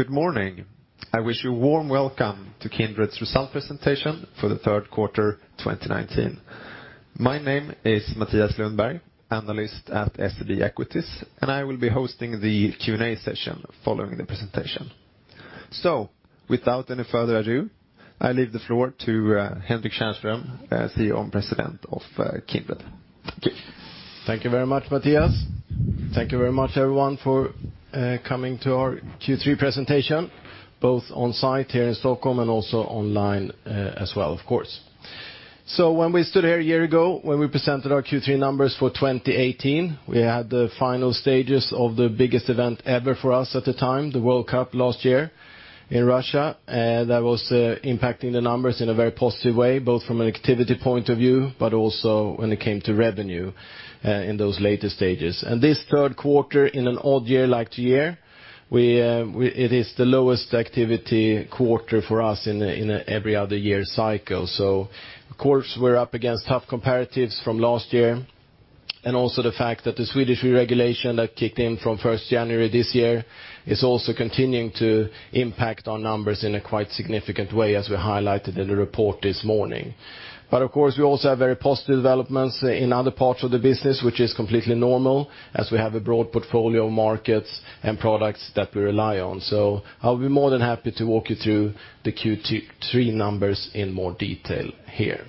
Good morning. I wish you a warm welcome to Kindred's results presentation for the third quarter of 2019. My name is Mathias Lundberg, analyst at SEB Equities. I will be hosting the Q&A session following the presentation. Without any further ado, I leave the floor to Henrik Tjärnström, CEO and President of Kindred. Thank you. Thank you very much, Mathias. Thank you very much, everyone, for coming to our Q3 presentation, both on-site here in Stockholm and also online as well, of course. When we stood here a year ago, when we presented our Q3 numbers for 2018, we had the final stages of the biggest event ever for us at the time, the World Cup last year in Russia. That was impacting the numbers in a very positive way, both from an activity point of view, but also when it came to revenue in those later stages. This third quarter, in an odd year like year, it is the lowest activity quarter for us in an every other year cycle. Of course, we're up against tough comparatives from last year, and also the fact that the Swedish regulation that kicked in from 1st January this year is also continuing to impact our numbers in a quite significant way, as we highlighted in the report this morning. Of course, we also have very positive developments in other parts of the business, which is completely normal as we have a broad portfolio of markets and products that we rely on. I'll be more than happy to walk you through the Q3 numbers in more detail here.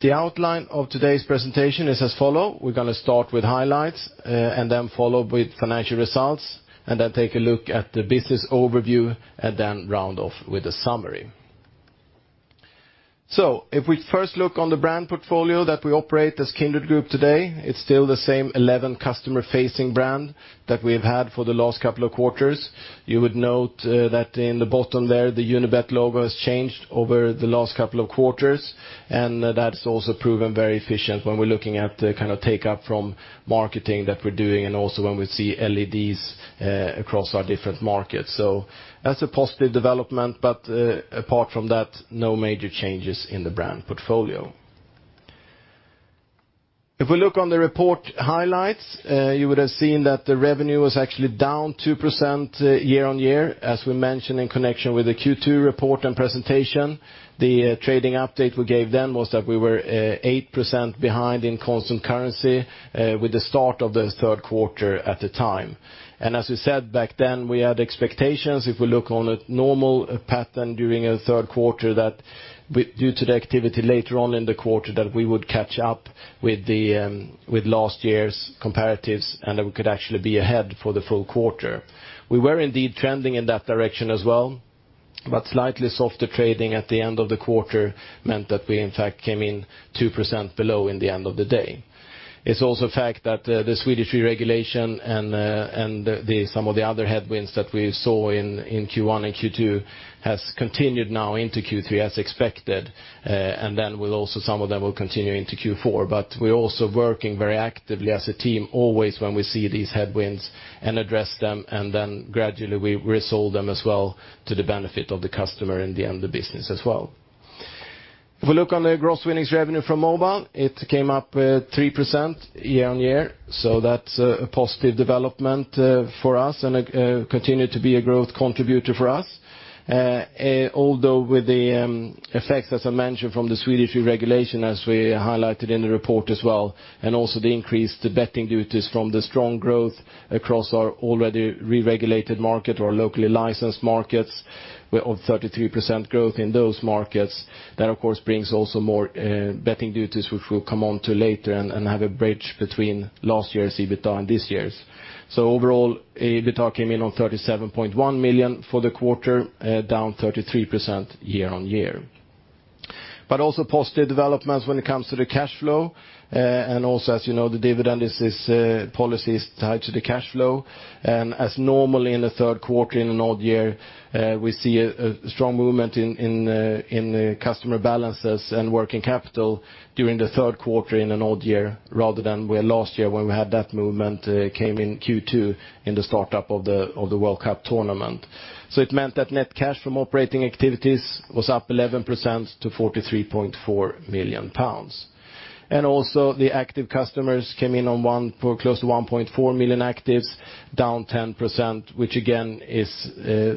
The outline of today's presentation is as follows. We're going to start with highlights, and then follow with financial results, and then take a look at the business overview, and then round off with a summary. If we first look on the brand portfolio that we operate as Kindred Group today, it's still the same 11 customer-facing brand that we've had for the last couple of quarters. You would note that in the bottom there, the Unibet logo has changed over the last couple of quarters, and that's also proven very efficient when we're looking at the take-up from marketing that we're doing and also when we see leads across our different markets. That's a positive development, but apart from that, no major changes in the brand portfolio. If we look on the report highlights, you would have seen that the revenue was actually down 2% year-over-year. As we mentioned in connection with the Q2 report and presentation, the trading update we gave then was that we were 8% behind in constant currency with the start of the third quarter at the time. As we said back then, we had expectations, if we look on a normal pattern during a third quarter, that due to the activity later on in the quarter, that we would catch up with last year's comparatives and that we could actually be ahead for the full quarter. We were indeed trending in that direction as well, slightly softer trading at the end of the quarter meant that we in fact came in 2% below in the end of the day. It's also a fact that the Swedish re-regulation and some of the other headwinds that we saw in Q1 and Q2 has continued now into Q3 as expected, and then also some of them will continue into Q4. We're also working very actively as a team, always when we see these headwinds and address them, and then gradually we resolve them as well to the benefit of the customer, in the end, the business as well. If we look on the gross winnings revenue from mobile, it came up 3% year-on-year. That's a positive development for us and continued to be a growth contributor for us. With the effects, as I mentioned, from the Swedish re-regulation, as we highlighted in the report as well, and also the increased betting duties from the strong growth across our already re-regulated market or locally licensed markets of 33% growth in those markets. That of course brings also more betting duties, which we'll come on to later and have a bridge between last year's EBITA and this year's. Overall, EBITA came in on 37.1 million for the quarter, down 33% year-on-year. Also positive developments when it comes to the cash flow. Also, as you know, the dividend policy is tied to the cash flow. As normal in the third quarter in an odd year, we see a strong movement in customer balances and working capital during the third quarter in an odd year rather than last year when we had that movement came in Q2 in the start-up of the World Cup tournament. It meant that net cash from operating activities was up 11% to 43.4 million pounds. Also the active customers came in on close to 1.4 million actives, down 10%, which again is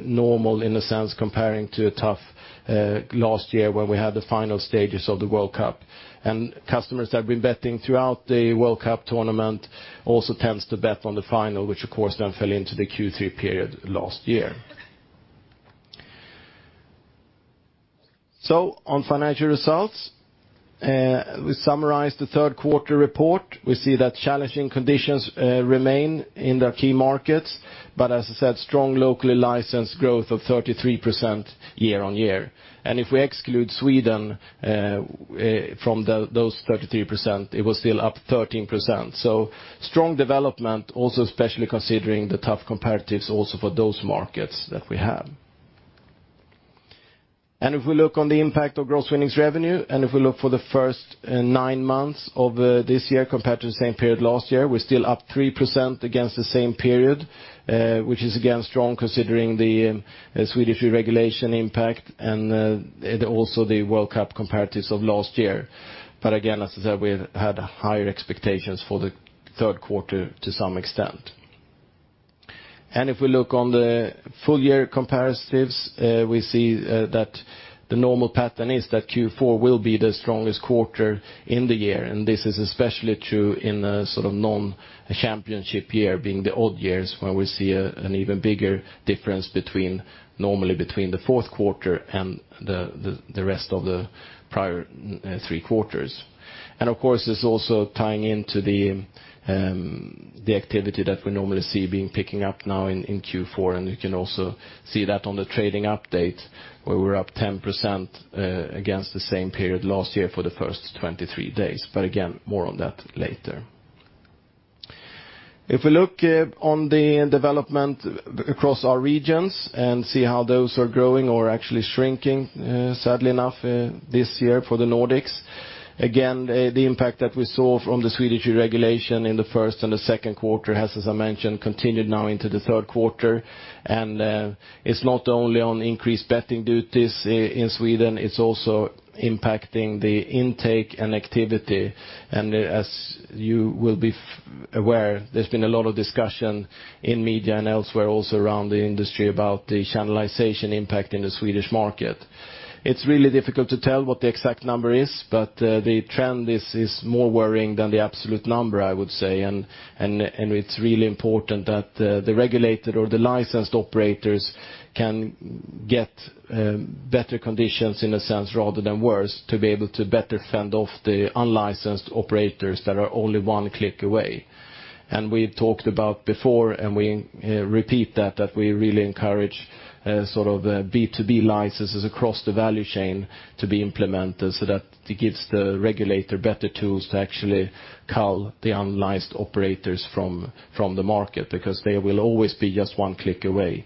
normal in a sense, comparing to a tough last year when we had the final stages of the World Cup. Customers that have been betting throughout the World Cup tournament also tends to bet on the final, which of course then fell into the Q3 period last year. On financial results, we summarize the third quarter report. We see that challenging conditions remain in the key markets, but as I said, strong locally licensed growth of 33% year-on-year. If we exclude Sweden from those 33%, it was still up 13%. Strong development also, especially considering the tough comparatives also for those markets that we have. If we look on the impact of gross winnings revenue, and if we look for the first nine months of this year compared to the same period last year, we're still up 3% against the same period, which is again strong considering the Swedish re-regulation impact and also the World Cup comparatives of last year. Again, as I said, we had higher expectations for the third quarter to some extent. If we look on the full year comparatives, we see that the normal pattern is that Q4 will be the strongest quarter in the year. This is especially true in a non-championship year, being the odd years, where we see an even bigger difference normally between the fourth quarter and the rest of the prior three quarters. Of course, this also tying into the activity that we normally see being picking up now in Q4. You can also see that on the trading update, where we're up 10% against the same period last year for the first 23 days. Again, more on that later. We look on the development across our regions and see how those are growing or actually shrinking, sadly enough this year for the Nordics. The impact that we saw from the Swedish regulation in the first and the second quarter has, as I mentioned, continued now into the third quarter. It's not only on increased betting duties in Sweden, it's also impacting the intake and activity. As you will be aware, there's been a lot of discussion in media and elsewhere also around the industry about the channelization impact in the Swedish market. It's really difficult to tell what the exact number is, but the trend is more worrying than the absolute number, I would say. It's really important that the regulator or the licensed operators can get better conditions, in a sense, rather than worse, to be able to better fend off the unlicensed operators that are only one click away. We've talked about before, and we repeat that we really encourage B2B licenses across the value chain to be implemented so that it gives the regulator better tools to actually cull the unlicensed operators from the market, because they will always be just one click away.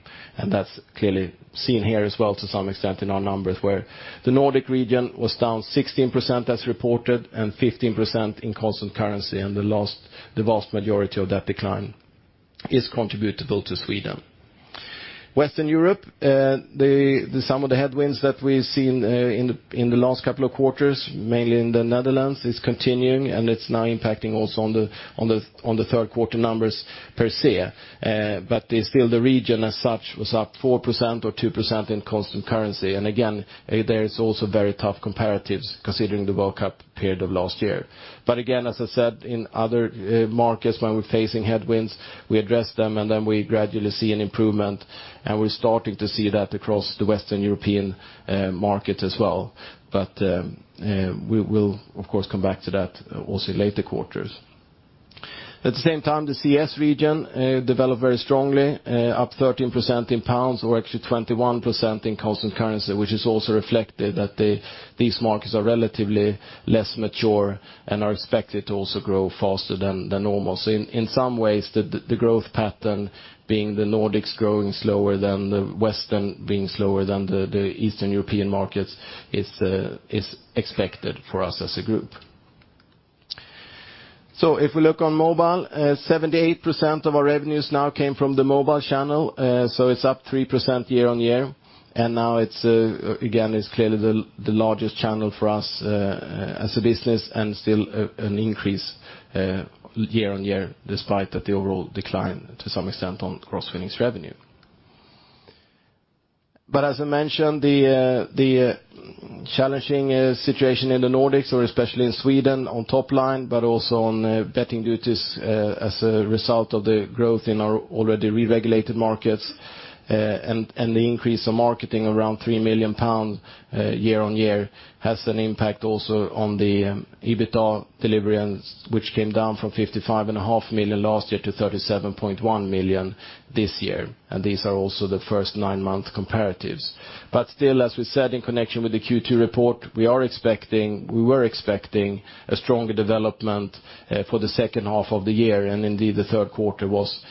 That's clearly seen here as well to some extent in our numbers, where the Nordic region was down 16% as reported and 15% in constant currency, and the vast majority of that decline is contributable to Sweden. Western Europe, some of the headwinds that we've seen in the last couple of quarters, mainly in the Netherlands, is continuing, and it's now impacting also on the third quarter numbers per se. Still the region as such was up 4% or 2% in constant currency. Again, there is also very tough comparatives considering the World Cup period of last year. Again, as I said, in other markets, when we're facing headwinds, we address them and then we gradually see an improvement, and we're starting to see that across the Western European market as well. We will of course come back to that also in later quarters. At the same time, the CEE region developed very strongly, up 13% in GBP or actually 21% in constant currency, which is also reflected that these markets are relatively less mature and are expected to also grow faster than normal. In some ways, the growth pattern being the Nordics growing slower than the Western being slower than the Eastern European markets is expected for us as a group. If we look on mobile, 78% of our revenues now came from the mobile channel, so it's up 3% year-on-year. Now it's, again, it's clearly the largest channel for us as a business and still an increase year-on-year despite that the overall decline to some extent on gross winnings revenue. As I mentioned, the challenging situation in the Nordics, or especially in Sweden on top line, but also on betting duties as a result of the growth in our already re-regulated markets, and the increase of marketing around 3 million pounds year-on-year has an impact also on the EBITDA delivery, which came down from 55.5 million last year to 37.1 million this year. These are also the first nine-month comparatives. Still, as we said in connection with the Q2 report, we were expecting a stronger development for the second half of the year, and indeed the third quarter was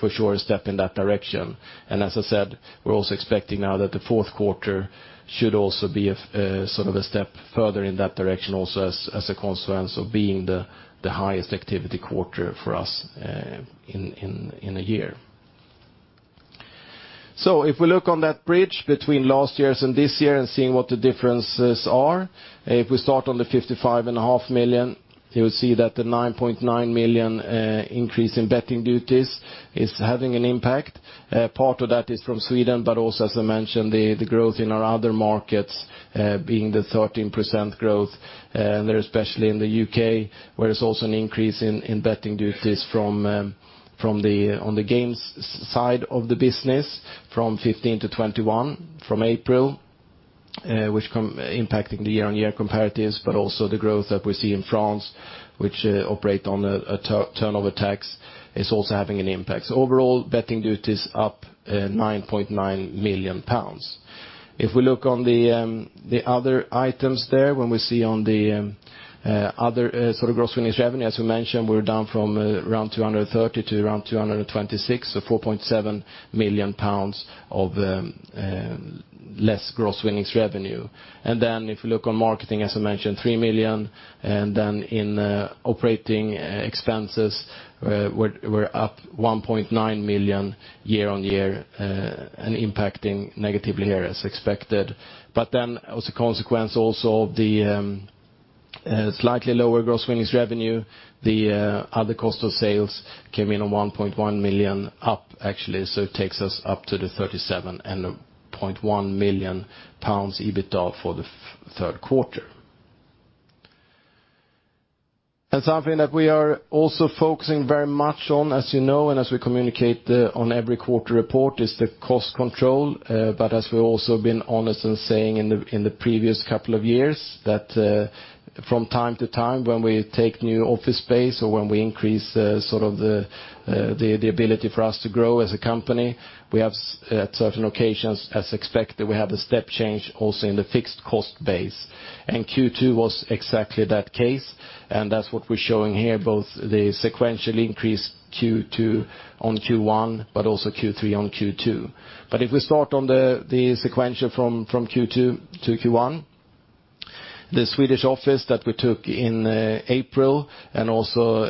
for sure a step in that direction. As I said, we're also expecting now that the fourth quarter should also be a step further in that direction also as a consequence of being the highest activity quarter for us in a year. If we look on that bridge between last year's and this year and seeing what the differences are, if we start on the 55.5 million, you will see that the 9.9 million increase in betting duties is having an impact. Part of that is from Sweden, but also, as I mentioned, the growth in our other markets being the 13% growth, and especially in the U.K., where there's also an increase in betting duties on the games side of the business from 15% to 21% from April, which come impacting the year-over-year comparatives, but also the growth that we see in France, which operate on a turnover tax, is also having an impact. Overall, betting duties up 9.9 million pounds. If we look on the other items there, when we see on the other gross winnings revenue, as we mentioned, we're down from around 230 million to around 226 million, so 4.7 million pounds of less gross winnings revenue. If we look on marketing, as I mentioned, 3 million. In operating expenses, we're up 1.9 million year-over-year, impacting negatively here as expected. As a consequence also of the slightly lower gross winnings revenue. The other cost of sales came in on 1.1 million up, actually, so it takes us up to the 37.1 million pounds EBITDA for the third quarter. Something that we are also focusing very much on, as you know, and as we communicate on every quarter report, is the cost control. As we've also been honest in saying in the previous couple of years, that from time to time when we take new office space or when we increase the ability for us to grow as a company, we have at certain occasions, as expected, we have a step change also in the fixed cost base. Q2 was exactly that case, and that's what we're showing here, both the sequential increase Q2 on Q1, but also Q3 on Q2. If we start on the sequential from Q2 to Q1, the Swedish office that we took in April and also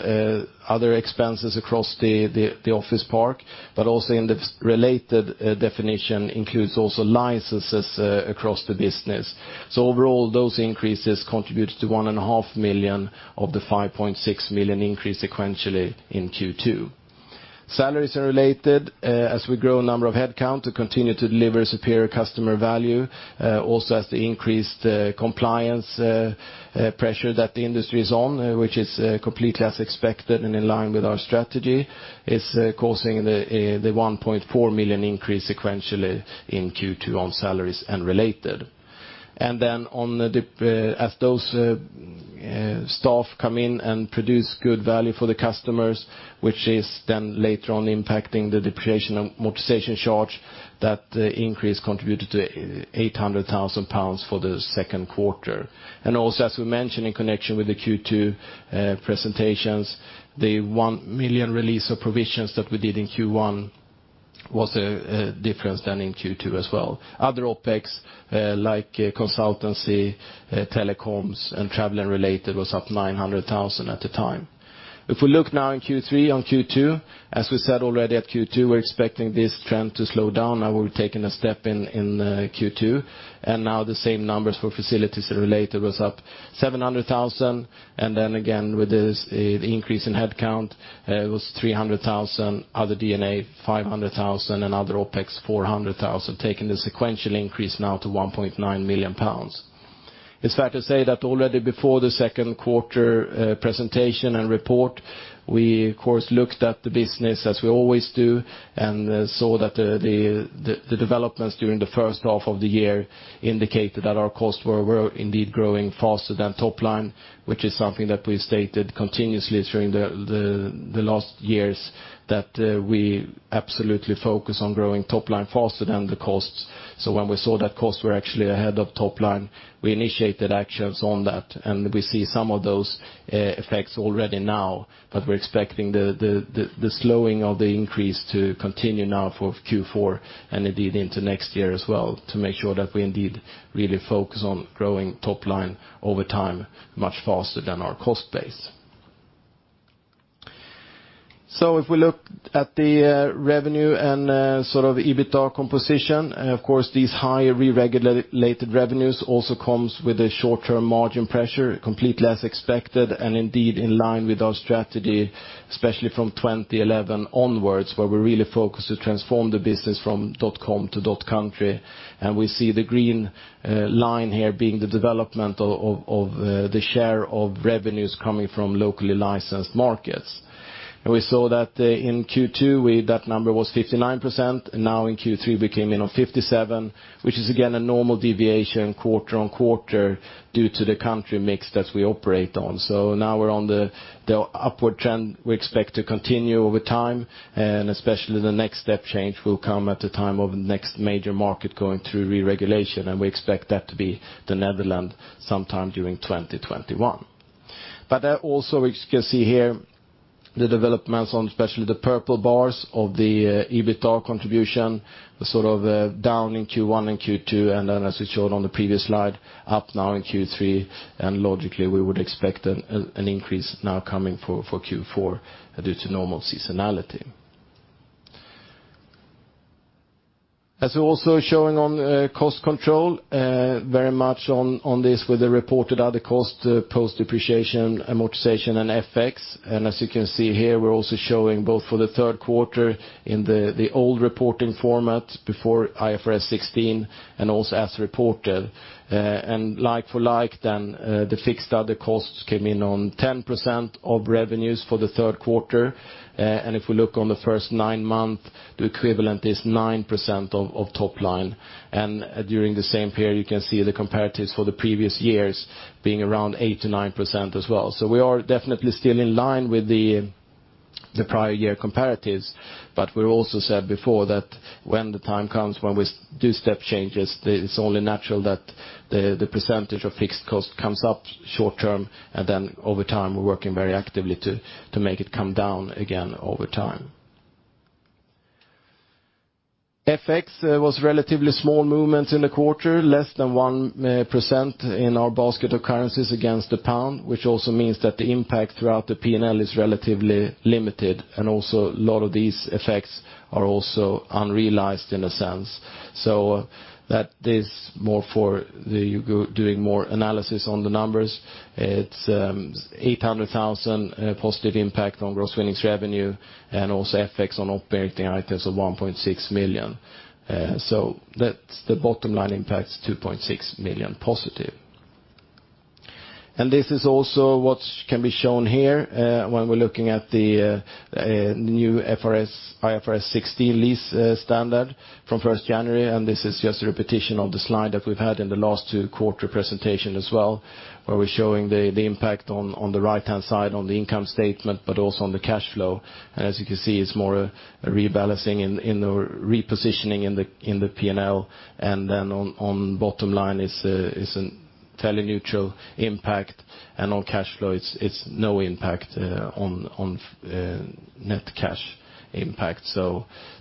other expenses across the office park, but also in the related definition includes also licenses across the business. Overall, those increases contributed to 1.5 million of the 5.6 million increase sequentially in Q2. Salaries are related as we grow number of headcount to continue to deliver superior customer value. Also as the increased compliance pressure that the industry is on, which is completely as expected and in line with our strategy, is causing the 1.4 million increase sequentially in Q2 on salaries and related. As those staff come in and produce good value for the customers, which is then later on impacting the depreciation and amortization charge, that increase contributed to 800,000 pounds for the second quarter. Also, as we mentioned in connection with the Q2 presentations, the 1 million release of provisions that we did in Q1 was a difference then in Q2 as well. Other OpEx like consultancy, telecoms, and travel and related was up 900,000 at the time. If we look now in Q3 on Q2, as we said already at Q2, we are expecting this trend to slow down. Now we have taken a step in Q2, and now the same numbers for facilities that are related was up 700,000. Then again, with this increase in headcount, it was 300,000, other D&A 500,000 and other OpEx 400,000, taking the sequential increase now to 1.9 million pounds. It's fair to say that already before the second quarter presentation and report, we of course looked at the business as we always do and saw that the developments during the first half of the year indicated that our costs were indeed growing faster than top line, which is something that we stated continuously during the last years, that we absolutely focus on growing top line faster than the costs. When we saw that costs were actually ahead of top line, we initiated actions on that, and we see some of those effects already now. We're expecting the slowing of the increase to continue now for Q4 and indeed into next year as well to make sure that we indeed really focus on growing top line over time much faster than our cost base. If we look at the revenue and EBITDA composition, of course these higher reregulated revenues also comes with a short-term margin pressure, completely as expected and indeed in line with our strategy, especially from 2011 onwards, where we really focus to transform the business from .com to .country. We see the green line here being the development of the share of revenues coming from locally licensed markets. We saw that in Q2 that number was 59%, and now in Q3 we came in on 57%, which is again a normal deviation quarter-on-quarter due to the country mix that we operate on. Now we're on the upward trend we expect to continue over time, and especially the next step change will come at the time of next major market going through reregulation, and we expect that to be the Netherlands sometime during 2021. There also you can see here the developments on especially the purple bars of the EBITDA contribution, sort of down in Q1 and Q2, and then as we showed on the previous slide, up now in Q3. Logically we would expect an increase now coming for Q4 due to normal seasonality. As we're also showing on cost control, very much on this with the reported other costs, post depreciation, amortization, and FX. As you can see here, we're also showing both for the third quarter in the old reporting format before IFRS 16 and also as reported. Like for like then, the fixed other costs came in on 10% of revenues for the third quarter. If we look on the first nine month, the equivalent is 9% of top line. During the same period you can see the comparatives for the previous years being around 8% to 9% as well. We are definitely still in line with the prior year comparatives, but we also said before that when the time comes when we do step changes, it's only natural that the percentage of fixed cost comes up short term and then over time we're working very actively to make it come down again over time. FX was relatively small movements in the quarter, less than 1% in our basket of currencies against the pound, which also means that the impact throughout the P&L is relatively limited. A lot of these effects are also unrealized in a sense. That is more for doing more analysis on the numbers. It's 800,000 positive impact on gross winnings revenue and also FX on operating items of 1.6 million. The bottom line impact's 2.6 million positive. This is also what can be shown here when we're looking at the new IFRS 16 lease standard from 1st January, and this is just a repetition of the slide that we've had in the last two quarter presentation as well, where we're showing the impact on the right-hand side on the income statement, but also on the cash flow. As you can see, it's more a rebalancing in the repositioning in the P&L, and then on bottom line is a neutral impact, and on cash flow it's no impact on net cash impact.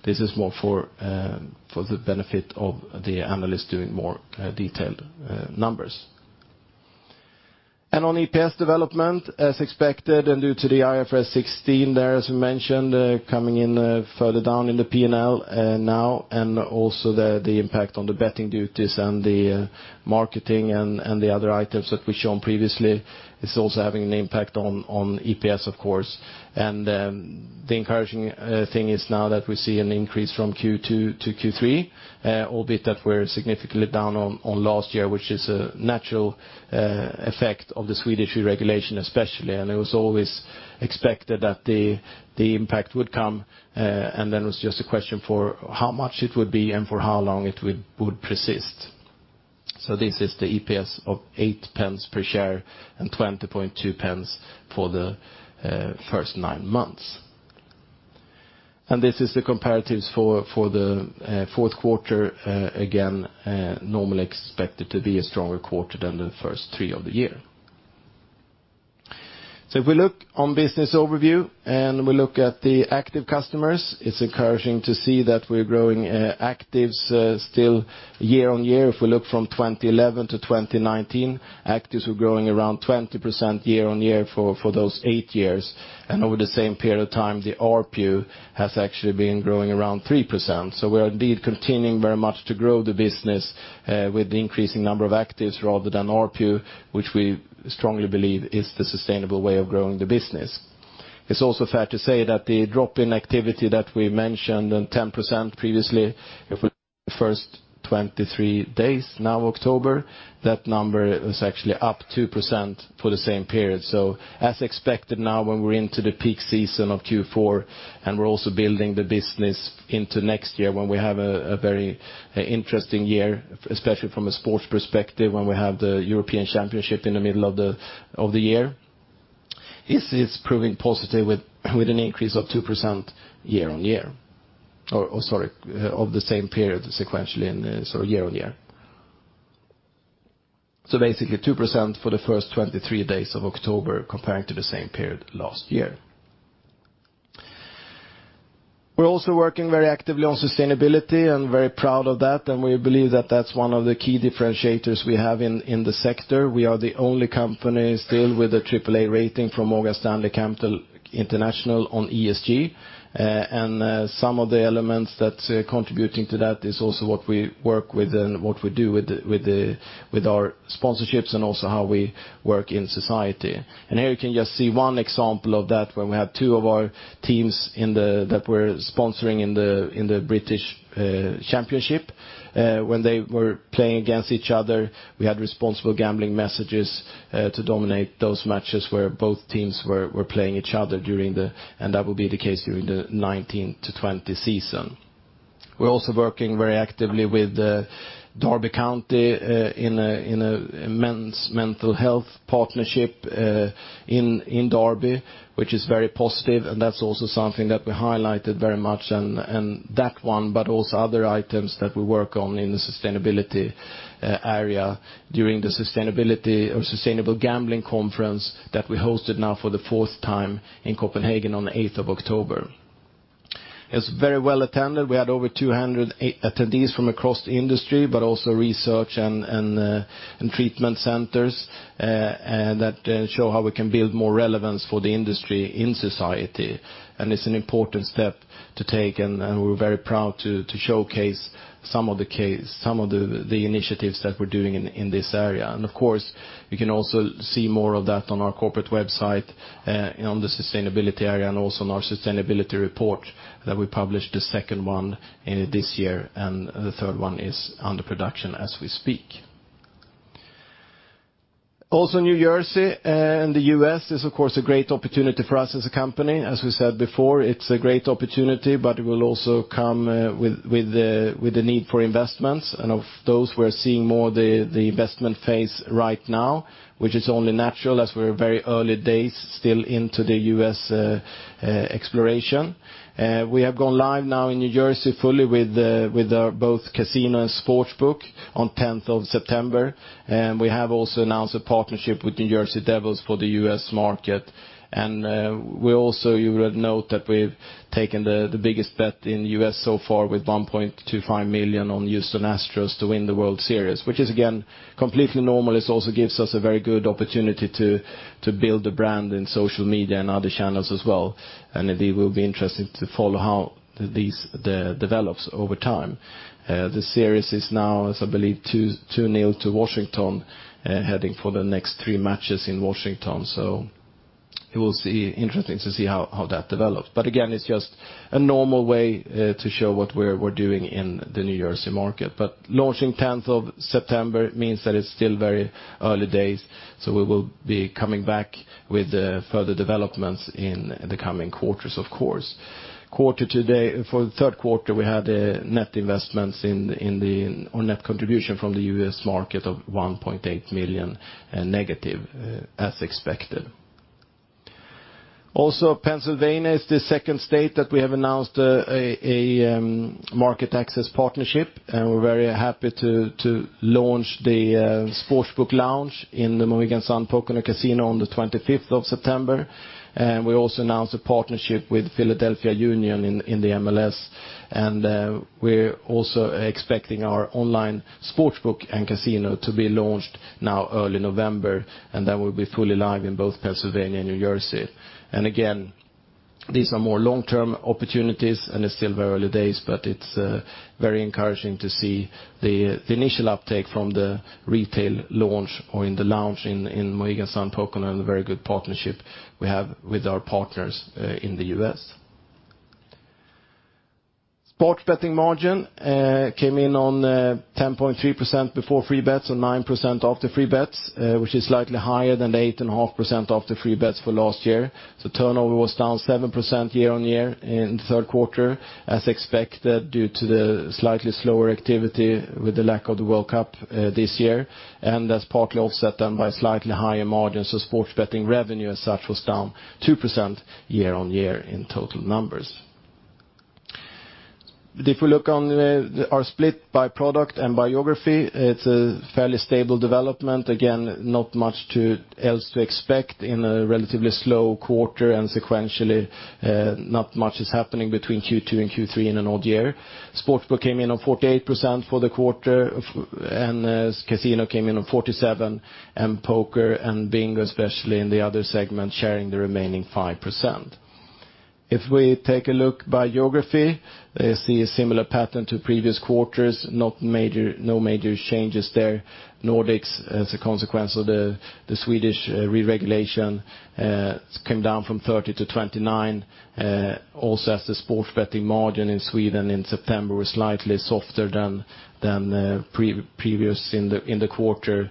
This is more for the benefit of the analyst doing more detailed numbers. On EPS development, as expected and due to the IFRS 16 there, as we mentioned, coming in further down in the P&L now and also the impact on the betting duties and the marketing and the other items that we've shown previously is also having an impact on EPS, of course. The encouraging thing is now that we see an increase from Q2 to Q3, albeit that we're significantly down on last year, which is a natural effect of the Swedish re-regulation especially, and it was always expected that the impact would come, and then it was just a question for how much it would be and for how long it would persist. This is the EPS of 0.08 per share and 0.202 for the first nine months. This is the comparatives for the fourth quarter, again, normally expected to be a stronger quarter than the first three of the year. If we look on business overview and we look at the active customers, it's encouraging to see that we're growing actives still year-on-year. If we look from 2011 to 2019, actives were growing around 20% year on year for those eight years. Over the same period of time, the ARPU has actually been growing around 3%. We are indeed continuing very much to grow the business with the increasing number of actives rather than ARPU, which we strongly believe is the sustainable way of growing the business. It's also fair to say that the drop in activity that we mentioned on 10% previously, if we first 23 days now October, that number is actually up 2% for the same period. As expected now when we're into the peak season of Q4, and we're also building the business into next year when we have a very interesting year, especially from a sports perspective, when we have the European Championship in the middle of the year, it's proving positive with an increase of 2% year-on-year. Or sorry, of the same period sequentially, year-on-year. Basically 2% for the first 23 days of October comparing to the same period last year. We're also working very actively on sustainability and very proud of that, and we believe that that's one of the key differentiators we have in the sector. We are the only company still with a triple A rating from Morgan Stanley Capital International on ESG. Some of the elements that's contributing to that is also what we work with and what we do with our sponsorships and also how we work in society. Here you can just see one example of that when we have two of our teams that we're sponsoring in the EFL Championship. When they were playing against each other, we had responsible gambling messages to dominate those matches where both teams were playing each other and that will be the case during the 2019 to 2020 season. We're also working very actively with Derby County in a men's mental health partnership in Derby, which is very positive, and that's also something that we highlighted very much. That one, but also other items that we work on in the sustainability area during the Sustainable Gambling Conference that we hosted now for the fourth time in Copenhagen on the 8th of October. It's very well attended. We had over 200 attendees from across the industry, but also research and treatment centers that show how we can build more relevance for the industry in society. It's an important step to take, and we're very proud to showcase some of the initiatives that we're doing in this area. Of course, you can also see more of that on our corporate website on the sustainability area and also on our sustainability report that we published the second one this year, and the third one is under production as we speak. New Jersey in the U.S. is, of course, a great opportunity for us as a company. As we said before, it's a great opportunity, but it will also come with the need for investments, and of those, we're seeing more the investment phase right now, which is only natural as we're very early days still into the U.S. exploration. We have gone live now in New Jersey fully with both casino and sports book on 10th of September. We have also announced a partnership with New Jersey Devils for the U.S. market. We also note that we've taken the biggest bet in the U.S. so far with 1.25 million on Houston Astros to win the World Series, which is again, completely normal. This also gives us a very good opportunity to build the brand in social media and other channels as well. It will be interesting to follow how these develops over time. The series is now, as I believe, 2-0 to Washington, heading for the next three matches in Washington. It will be interesting to see how that develops. Again, it's just a normal way to show what we're doing in the New Jersey market. Launching 10th of September means that it's still very early days. We will be coming back with further developments in the coming quarters, of course. For the third quarter, we had net investments in the net contribution from the U.S. market of 1.8 million negative, as expected. Pennsylvania is the second state that we have announced a market access partnership, and we're very happy to launch the sports book lounge in the Mohegan Sun Pocono Casino on the 25th of September. We also announced a partnership with Philadelphia Union in the MLS. We're also expecting our online sports book and casino to be launched now early November, and that will be fully live in both Pennsylvania and New Jersey. Again, these are more long-term opportunities, and it's still very early days, but it's very encouraging to see the initial uptake from the retail launch or in the lounge in Mohegan Sun Pocono, and the very good partnership we have with our partners in the U.S. Sports betting margin came in on 10.3% before free bets and 9% after free bets, which is slightly higher than the 8.5% after free bets for last year. Turnover was down 7% year-on-year in the third quarter, as expected, due to the slightly slower activity with the lack of the World Cup this year, and that's partly offset then by slightly higher margins of sports betting revenue, as such, was down 2% year-on-year in total numbers. If we look on our split by product and by geography, it's a fairly stable development. Again, not much else to expect in a relatively slow quarter and sequentially, not much is happening between Q2 and Q3 in an odd year. Sports book came in on 48% for the quarter, and casino came in on 47%, and poker and bingo, especially in the other segment, sharing the remaining 5%. If we take a look by geography, they see a similar pattern to previous quarters. No major changes there. Nordics, as a consequence of the Swedish re-regulation, came down from 30%-29%. As the sports betting margin in Sweden in September was slightly softer than previous in the quarter,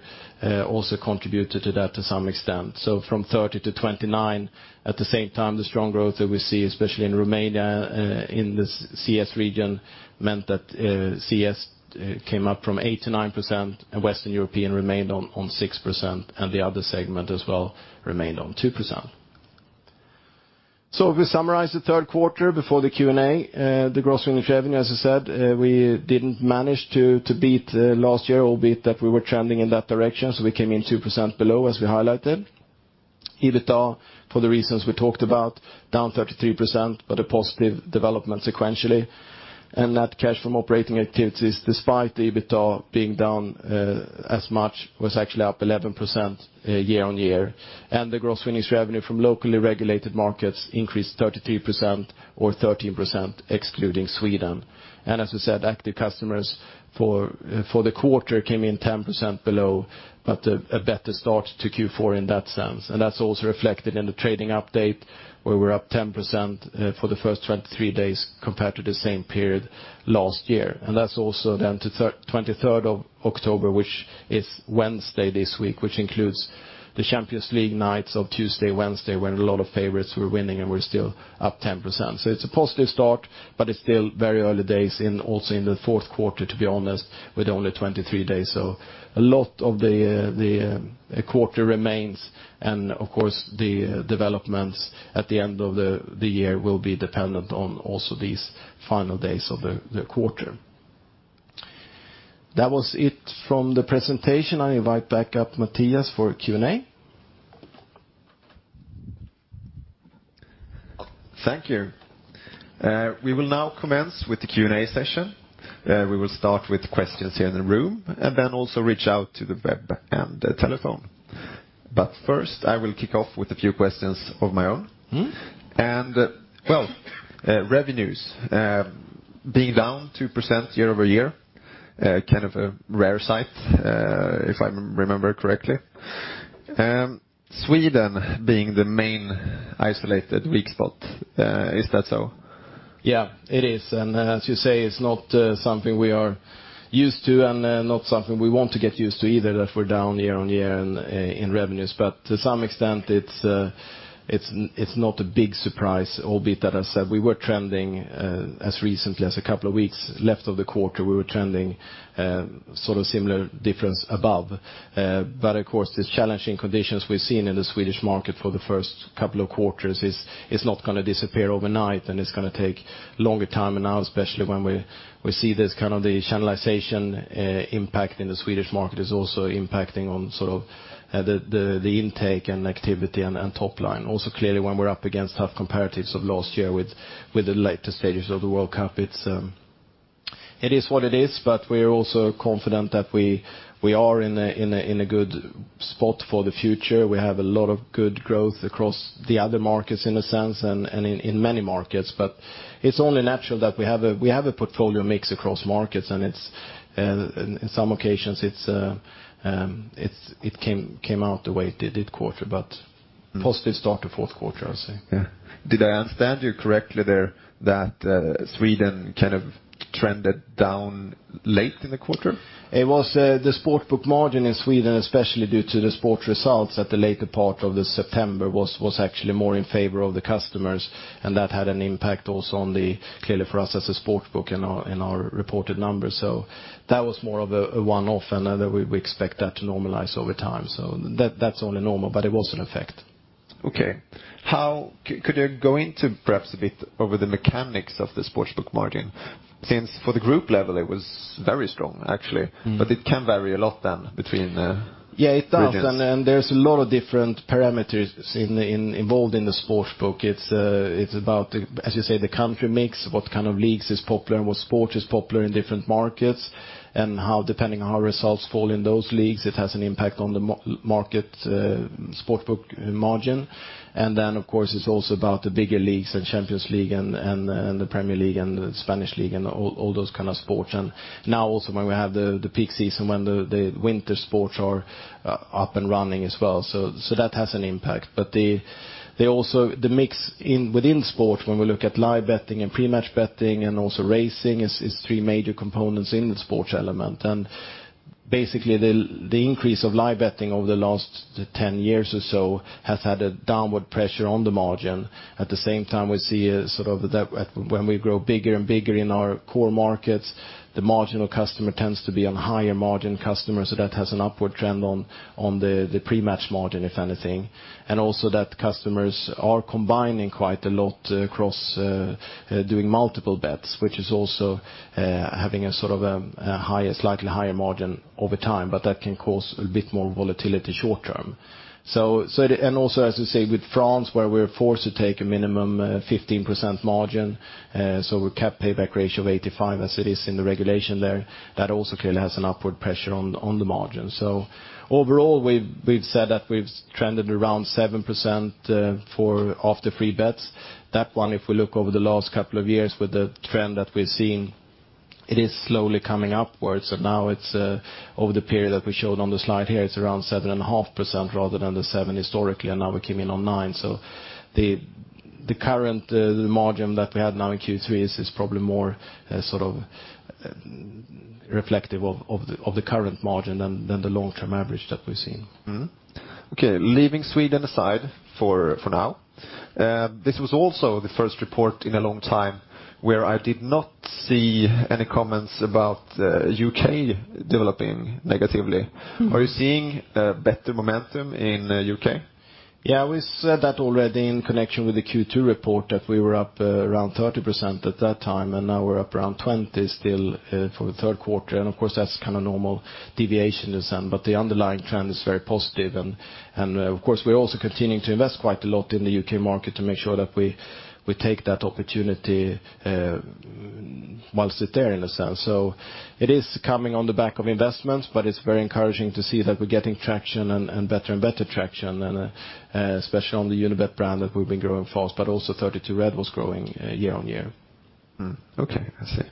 also contributed to that to some extent. From 30%-29%. The strong growth that we see, especially in Romania, in the CEE region, meant that CEE came up from 89% and Western European remained on 6%, and the other segment as well remained on 2%. If we summarize the third quarter before the Q&A, the gross winnings revenue, as I said, we didn't manage to beat last year, albeit that we were trending in that direction, so we came in 2% below, as we highlighted. EBITDA, for the reasons we talked about, down 33%, but a positive development sequentially. Net cash from operating activities, despite the EBITDA being down as much, was actually up 11% year-on-year. The gross winnings revenue from locally regulated markets increased 33% or 13%, excluding Sweden. As we said, active customers for the quarter came in 10% below, but a better start to Q4 in that sense. That's also reflected in the trading update, where we're up 10% for the first 23 days compared to the same period last year. That's also then to 23rd of October, which is Wednesday this week, which includes the Champions League nights of Tuesday, Wednesday, when a lot of favorites were winning, and we're still up 10%. It's a positive start, but it's still very early days also in the fourth quarter, to be honest, with only 23 days. A lot of the quarter remains, and of course, the developments at the end of the year will be dependent on also these final days of the quarter. That was it from the presentation. I invite back up Mattias for Q&A. Thank you. We will now commence with the Q&A session. We will start with questions here in the room and then also reach out to the web and telephone. First, I will kick off with a few questions of my own. Well, revenues being down 2% year-over-year, kind of a rare sight, if I remember correctly. Sweden being the main isolated weak spot. Is that so? It is. As you say, it's not something we are used to and not something we want to get used to either, that we're down year-on-year in revenues. To some extent, it's not a big surprise, albeit that I said we were trending as recently as a couple of weeks left of the quarter, we were trending sort of similar difference above. Of course, the challenging conditions we've seen in the Swedish market for the first couple of quarters is not going to disappear overnight, and it's going to take longer time. Now, especially when we see this kind of the channelization impact in the Swedish market is also impacting on sort of the intake and activity and top line. Clearly, when we're up against tough comparatives of last year with the later stages of the World Cup, it is what it is. We're also confident that we are in a good spot for the future. We have a lot of good growth across the other markets, in a sense, and in many markets. It's only natural that we have a portfolio mix across markets, and in some occasions, it came out the way it did quarter. Positive start to fourth quarter, I'll say, yeah. Did I understand you correctly there that Sweden kind of trended down late in the quarter? It was the sports book margin in Sweden, especially due to the sports results at the later part of the September, was actually more in favor of the customers. That had an impact also clearly for us as a sports book in our reported numbers. That was more of a one-off and we expect that to normalize over time. That's only normal, but it was an effect. Okay. Could you go into perhaps a bit over the mechanics of the sportsbook margin? Since for the group level, it was very strong, actually. It can vary a lot then between- Yeah, it does. There's a lot of different parameters involved in the sports book. It's about, as you say, the country mix, what kind of leagues is popular, and what sport is popular in different markets, and how depending on how results fall in those leagues, it has an impact on the market sports book margin. Of course, it's also about the bigger leagues and Champions League and the Premier League and La Liga and all those kind of sports. Now also when we have the peak season, when the winter sports are up and running as well. That has an impact. The mix within sport, when we look at live betting and pre-match betting and also racing is three major components in the sports element. Basically, the increase of live betting over the last 10 years or so has had a downward pressure on the margin. At the same time, we see sort of that when we grow bigger and bigger in our core markets, the marginal customer tends to be on higher margin customers, that has an upward trend on the pre-match margin, if anything. Also that customers are combining quite a lot across doing multiple bets, which is also having a sort of slightly higher margin over time, that can cause a bit more volatility short-term. Also, as you say, with France, where we're forced to take a minimum 15% margin, we cap payback ratio of 85 as it is in the regulation there. That also clearly has an upward pressure on the margin. Overall, we've said that we've trended around 7% off the free bets. That one, if we look over the last couple of years with the trend that we're seeing, it is slowly coming upwards. Now it's over the period that we showed on the slide here, it's around 7.5% rather than the 7% historically, and now we came in on 9%. The current margin that we had now in Q3 is probably more sort of reflective of the current margin than the long-term average that we've seen. Leaving Sweden aside for now. This was also the first report in a long time where I did not see any comments about U.K. developing negatively. Are you seeing better momentum in U.K.? We said that already in connection with the Q2 report, that we were up around 30% at that time, and now we're up around 20% still for the third quarter. That's kind of normal deviation in a sense, but the underlying trend is very positive. We're also continuing to invest quite a lot in the U.K. market to make sure that we take that opportunity whilst it's there, in a sense. It is coming on the back of investments, but it's very encouraging to see that we're getting traction and better and better traction, especially on the Unibet brand, that we've been growing fast, but also 32Red was growing year-on-year. Okay, I see.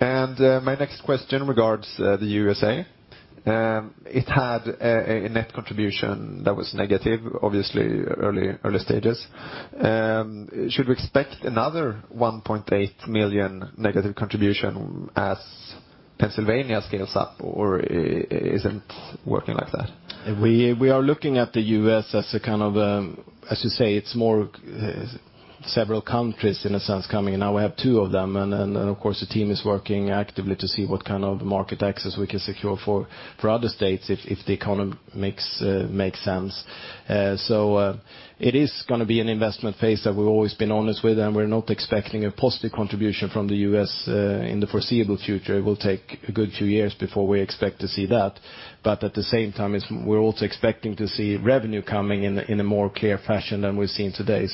My next question regards the U.S.A. It had a net contribution that was negative, obviously early stages. Should we expect another 1.8 million negative contribution as Pennsylvania scales up, or isn't working like that? We are looking at the U.S. as a kind of, as you say, it is more several countries in a sense coming, and now we have two of them. Of course, the team is working actively to see what kind of market access we can secure for other states if the economy makes sense. It is going to be an investment phase that we have always been honest with, and we are not expecting a positive contribution from the U.S. in the foreseeable future. It will take a good two years before we expect to see that. At the same time, we are also expecting to see revenue coming in a more clear fashion than we are seeing today.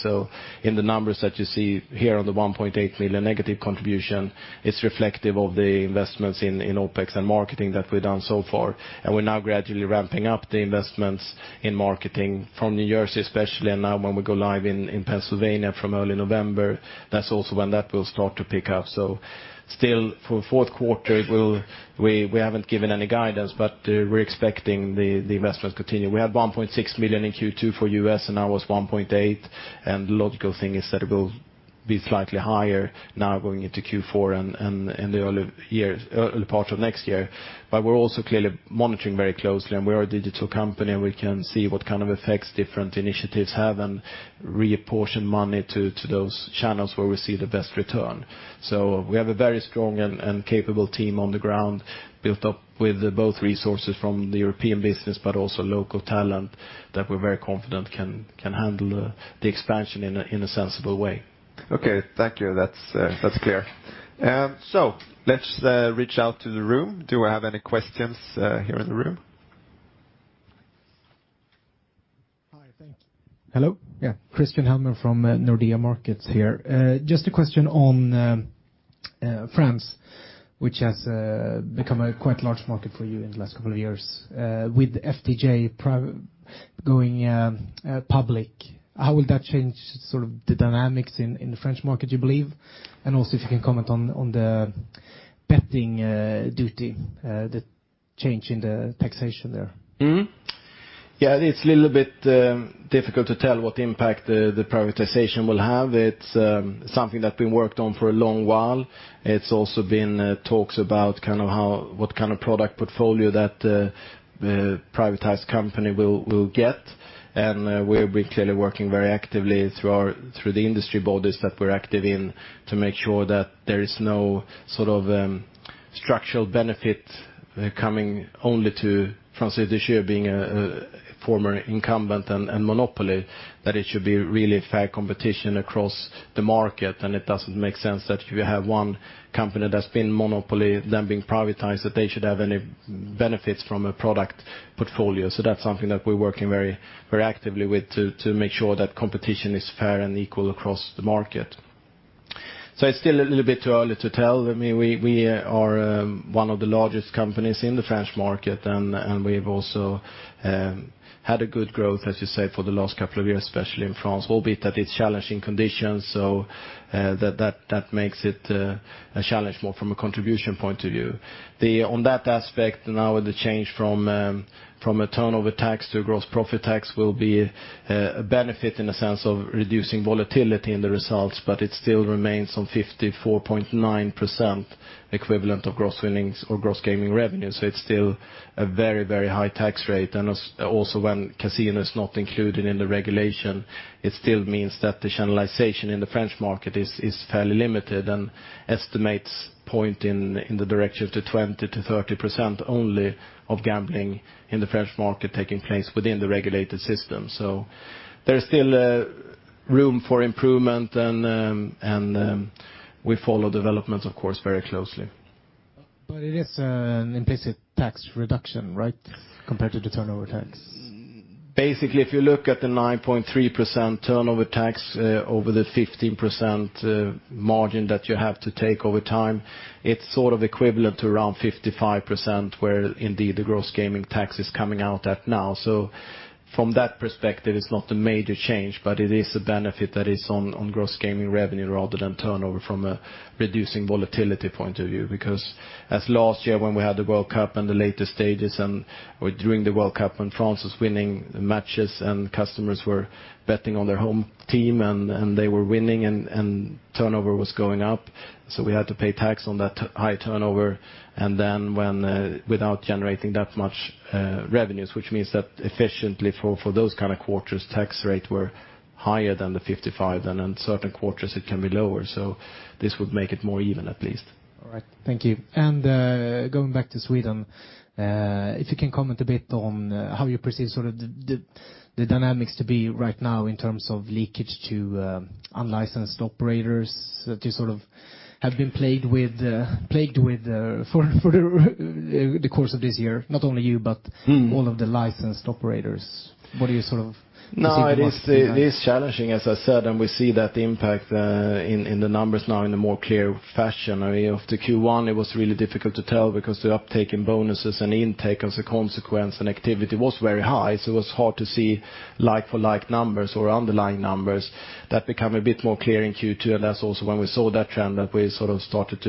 In the numbers that you see here on the 1.8 million negative contribution, it is reflective of the investments in OpEx and marketing that we have done so far. We're now gradually ramping up the investments in marketing from New Jersey especially, and now when we go live in Pennsylvania from early November, that's also when that will start to pick up. Still for fourth quarter, we haven't given any guidance, but we're expecting the investments continue. We had 1.6 million in Q2 for U.S., and now it's 1.8 million, and the logical thing is that it will be slightly higher now going into Q4 and in the early part of next year. We're also clearly monitoring very closely, and we are a digital company, and we can see what kind of effects different initiatives have and reapportion money to those channels where we see the best return. We have a very strong and capable team on the ground built up with both resources from the European business, but also local talent that we're very confident can handle the expansion in a sensible way. Okay, thank you. That's clear. Let's reach out to the room. Do I have any questions here in the room? Hi. Thank you. Hello? Yeah. Christian Hellman from Nordea Markets here. Just a question on France, which has become a quite large market for you in the last couple of years. With FDJ going public, how will that change sort of the dynamics in the French market, you believe? Also, if you can comment on the betting duty. Change in the taxation there. Yeah, it's a little bit difficult to tell what impact the privatization will have. It's something that's been worked on for a long while. It's also been talks about what kind of product portfolio that the privatized company will get. We're clearly working very actively through the industry bodies that we're active in to make sure that there is no structural benefit coming only to Française des Jeux being a former incumbent and monopoly, that it should be really fair competition across the market. It doesn't make sense that if you have one company that's been monopoly, then being privatized, that they should have any benefits from a product portfolio. That's something that we're working very actively with to make sure that competition is fair and equal across the market. It's still a little bit too early to tell. We are one of the largest companies in the French market, and we've also had a good growth, as you say, for the last couple of years, especially in France, albeit that it's challenging conditions. That makes it a challenge more from a contribution point of view. On that aspect now, the change from a turnover tax to gross profit tax will be a benefit in the sense of reducing volatility in the results. It still remains on 54.9% equivalent of gross winnings or gross gaming revenue. It's still a very high tax rate. Also when casino is not included in the regulation, it still means that the channelization in the French market is fairly limited. Estimates point in the direction of the 20%-30% only of gambling in the French market taking place within the regulated system. There's still room for improvement, and we follow developments, of course, very closely. It is an implicit tax reduction, right, compared to the turnover tax? If you look at the 9.3% turnover tax over the 15% margin that you have to take over time, it's sort of equivalent to around 55%, where indeed the gross gaming tax is coming out at now. From that perspective, it's not a major change, but it is a benefit that is on gross gaming revenue rather than turnover from a reducing volatility point of view. As last year when we had the World Cup and the later stages, and/or during the World Cup when France was winning matches and customers were betting on their home team and they were winning and turnover was going up, we had to pay tax on that high turnover. Without generating that much revenues, which means that efficiently for those kind of quarters, tax rate were higher than the 55%, and in certain quarters it can be lower. This would make it more even, at least. All right. Thank you. Going back to Sweden, if you can comment a bit on how you perceive the dynamics to be right now in terms of leakage to unlicensed operators that you have been plagued with for the course of this year, not only you, but all of the licensed operators. What do you sort of foresee the market to be like? It is challenging, as I said, and we see that impact in the numbers now in a more clear fashion. After Q1, it was really difficult to tell because the uptake in bonuses and intake as a consequence and activity was very high, so it was hard to see like-for-like numbers or underlying numbers that become a bit more clear in Q2. That's also when we saw that trend that we sort of started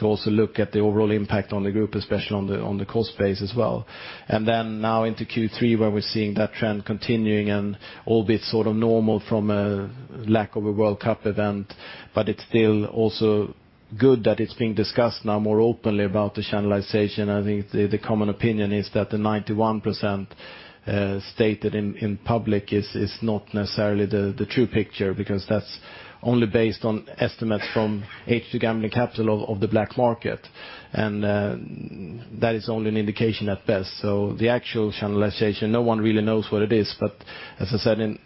to also look at the overall impact on the group, especially on the cost base as well. Now into Q3 where we're seeing that trend continuing and albeit sort of normal from a lack of a World Cup event, but it's still also good that it's being discussed now more openly about the channelization. I think the common opinion is that the 91% stated in public is not necessarily the true picture because that's only based on estimates from H2 Gambling Capital of the black market. That is only an indication at best. The actual channelization, no one really knows what it is. As I said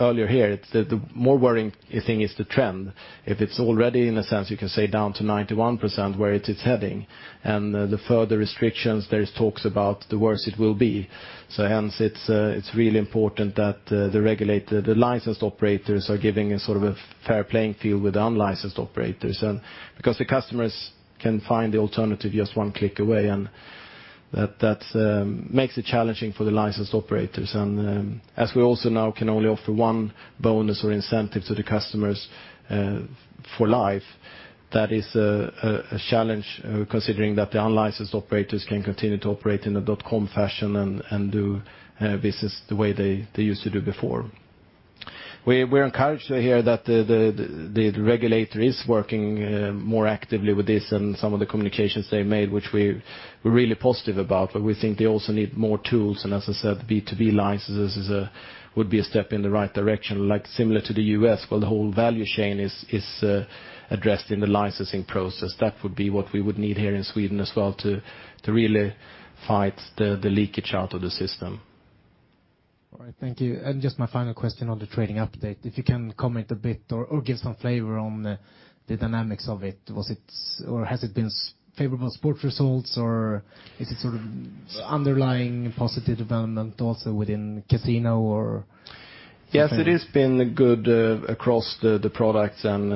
earlier here, the more worrying thing is the trend. If it's already, in a sense, you can say down to 91%, where it is heading, and the further restrictions there is talks about, the worse it will be. Hence it's really important that the licensed operators are giving a fair playing field with unlicensed operators, and because the customers can find the alternative just one click away, and that makes it challenging for the licensed operators. As we also now can only offer one bonus or incentive to the customers for life, that is a challenge considering that the unlicensed operators can continue to operate in a .com fashion and do business the way they used to do before. We're encouraged to hear that the regulator is working more actively with this and some of the communications they made, which we're really positive about. We think they also need more tools, as I said, B2B licenses would be a step in the right direction. Similar to the U.S., where the whole value chain is addressed in the licensing process. That would be what we would need here in Sweden as well to really fight the leakage out of the system. All right. Thank you. Just my final question on the trading update, if you can comment a bit or give some flavor on the dynamics of it. Has it been favorable sports results, or is it sort of underlying positive development also within casino? Yes, it has been good across the products, and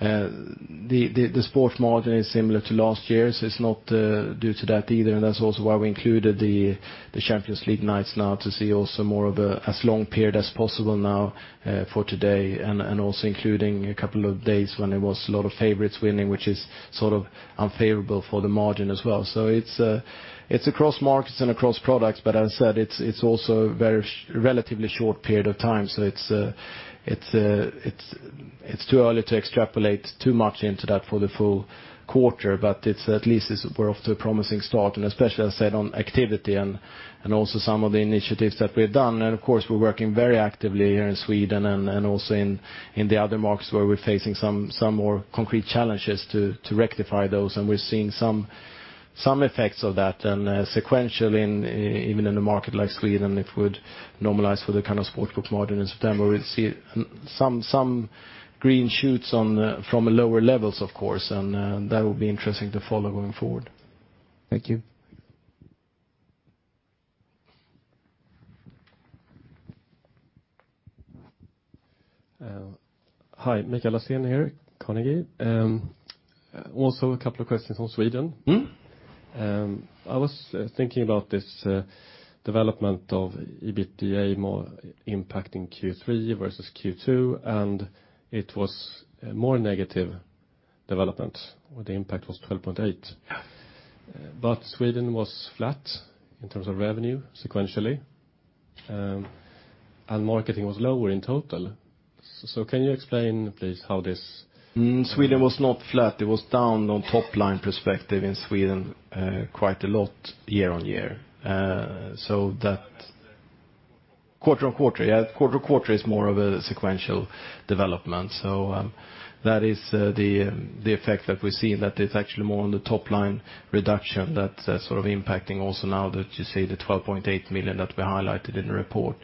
the sports margin is similar to last year, so it's not due to that either. That's also why we included the Champions League nights now to see also more of as long period as possible now for today, and also including a couple of days when it was a lot of favorites winning, which is sort of unfavorable for the margin as well. It's across markets and across products, but as I said, it's also a very relatively short period of time. It's too early to extrapolate too much into that for the full quarter, but it's at least we're off to a promising start, and especially, as I said, on activity and also some of the initiatives that we've done. Of course, we're working very actively here in Sweden and also in the other markets where we're facing some more concrete challenges to rectify those. We're seeing some effects of that, and sequentially, even in a market like Sweden, if we'd normalize for the kind of sports book margin in September, we'll see some green shoots from lower levels, of course. That will be interesting to follow going forward. Thank you. Hi, Mikael Laséen here, Carnegie. Also a couple of questions on Sweden. I was thinking about this development of EBITDA more impacting Q3 versus Q2, and it was more negative development where the impact was 12.8 million. Yeah. Sweden was flat in terms of revenue sequentially, and marketing was lower in total. Can you explain, please, how this? Sweden was not flat. It was down on top-line perspective in Sweden quite a lot year-on-year. Quarter-on-quarter. Yeah, quarter-on-quarter is more of a sequential development. That is the effect that we're seeing, that it's actually more on the top-line reduction that's sort of impacting also now that you see the 12.8 million that we highlighted in the report.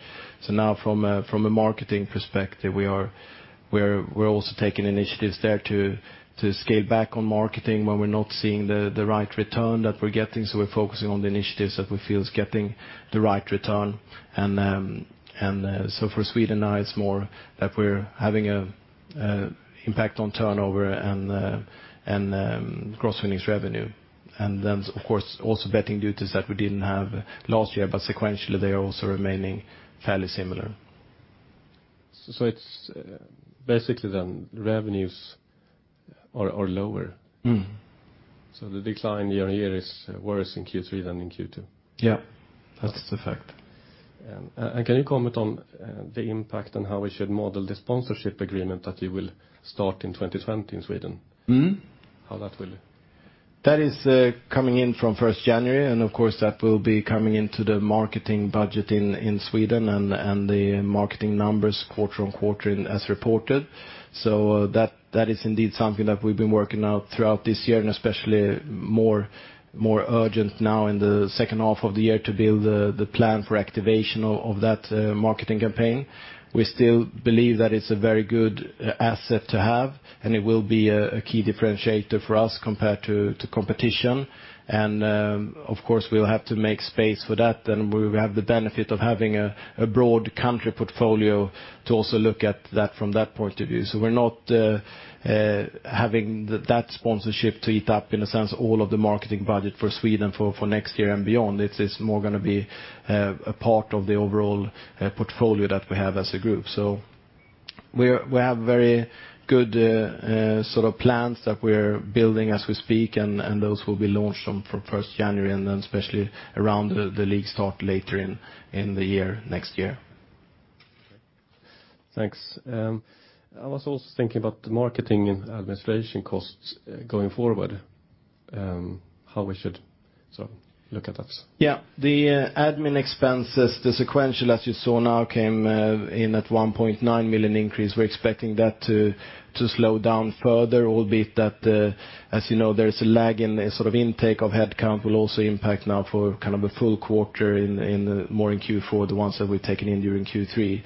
Now from a marketing perspective, we're also taking initiatives there to scale back on marketing when we're not seeing the right return that we're getting. We're focusing on the initiatives that we feel is getting the right return. For Sweden now, it's more that we're having an impact on turnover and gross winnings revenue. Then, of course, also betting duties that we didn't have last year, but sequentially, they are also remaining fairly similar. It's basically then revenues are lower. The decline year-on-year is worse in Q3 than in Q2. Yeah, that's the fact. Can you comment on the impact on how we should model the sponsorship agreement that you will start in 2020 in Sweden? How that will. That is coming in from 1st January, and of course, that will be coming into the marketing budget in Sweden and the marketing numbers quarter-on-quarter as reported. That is indeed something that we've been working out throughout this year, and especially more urgent now in the second half of the year to build the plan for activation of that marketing campaign. We still believe that it's a very good asset to have, and it will be a key differentiator for us compared to competition. Of course, we'll have to make space for that, and we have the benefit of having a broad country portfolio to also look at that from that point of view. We're not having that sponsorship to eat up, in a sense, all of the marketing budget for Sweden for next year and beyond. It's more going to be a part of the overall portfolio that we have as a group. We have very good sort of plans that we're building as we speak, and those will be launched from 1st January and then especially around the league start later in the year, next year. Thanks. I was also thinking about the marketing and administration costs going forward, how we should look at that. Yeah. The admin expenses, the sequential, as you saw now, came in at 1.9 million increase. We're expecting that to slow down further, albeit that, as you know, there's a lag in the sort of intake of headcount will also impact now for kind of a full quarter more in Q4, the ones that we've taken in during Q3.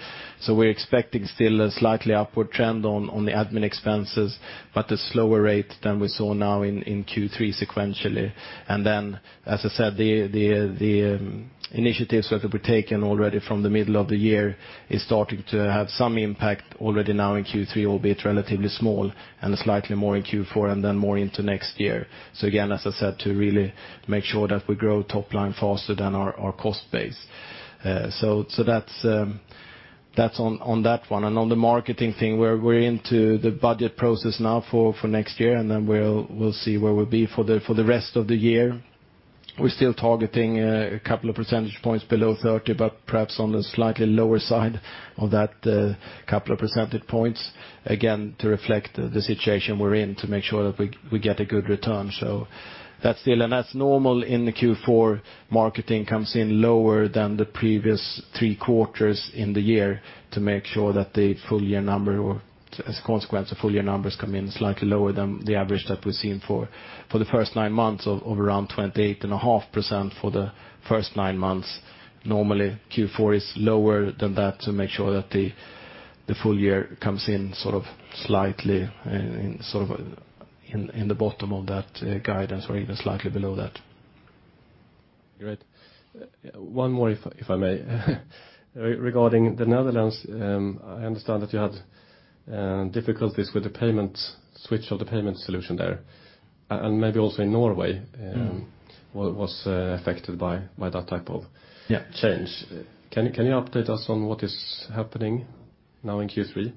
We're expecting still a slightly upward trend on the admin expenses, but a slower rate than we saw now in Q3 sequentially. As I said, the initiatives that have been taken already from the middle of the year is starting to have some impact already now in Q3, albeit relatively small, and slightly more in Q4, and then more into next year. Again, as I said, to really make sure that we grow top line faster than our cost base. That's on that one. On the marketing thing, we are into the budget process now for next year. Then we will see where we will be for the rest of the year. We are still targeting a couple of percentage points below 30%, but perhaps on the slightly lower side of that couple of percentage points, again, to reflect the situation we are in to make sure that we get a good return. That is normal in the Q4 marketing comes in lower than the previous three quarters in the year to make sure that the full year number, or as a consequence, the full year numbers come in slightly lower than the average that we have seen for the first nine months of around 28.5% for the first nine months. Normally, Q4 is lower than that to make sure that the full year comes in slightly in the bottom of that guidance or even slightly below that. Great. One more, if I may. Regarding the Netherlands, I understand that you had difficulties with the switch of the payment solution there, and maybe also in Norway was affected by that. Yeah. Change. Can you update us on what is happening now in Q3?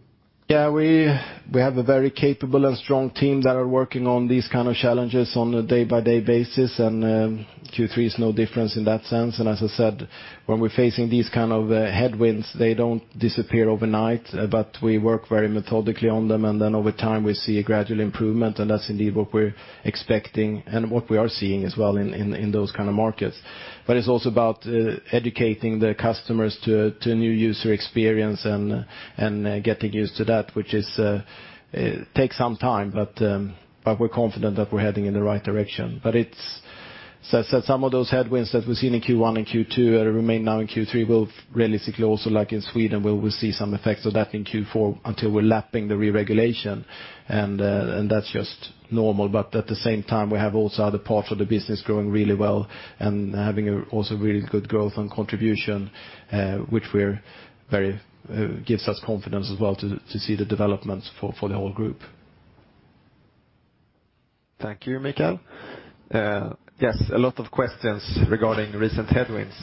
Yeah. We have a very capable and strong team that are working on these kind of challenges on a day-by-day basis. Q3 is no different in that sense. As I said, when we're facing these kind of headwinds, they don't disappear overnight, but we work very methodically on them, and then over time we see a gradual improvement, and that's indeed what we're expecting and what we are seeing as well in those kind of markets. It's also about educating the customers to new user experience and getting used to that, which takes some time, but we're confident that we're heading in the right direction. As I said, some of those headwinds that we've seen in Q1 and Q2 remain now in Q3 will realistically also, like in Sweden, where we'll see some effects of that in Q4 until we're lapping the re-regulation, and that's just normal. At the same time, we have also other parts of the business growing really well and having also really good growth and contribution, which gives us confidence as well to see the developments for the whole group. Thank you, Mikael. Yes, a lot of questions regarding recent headwinds.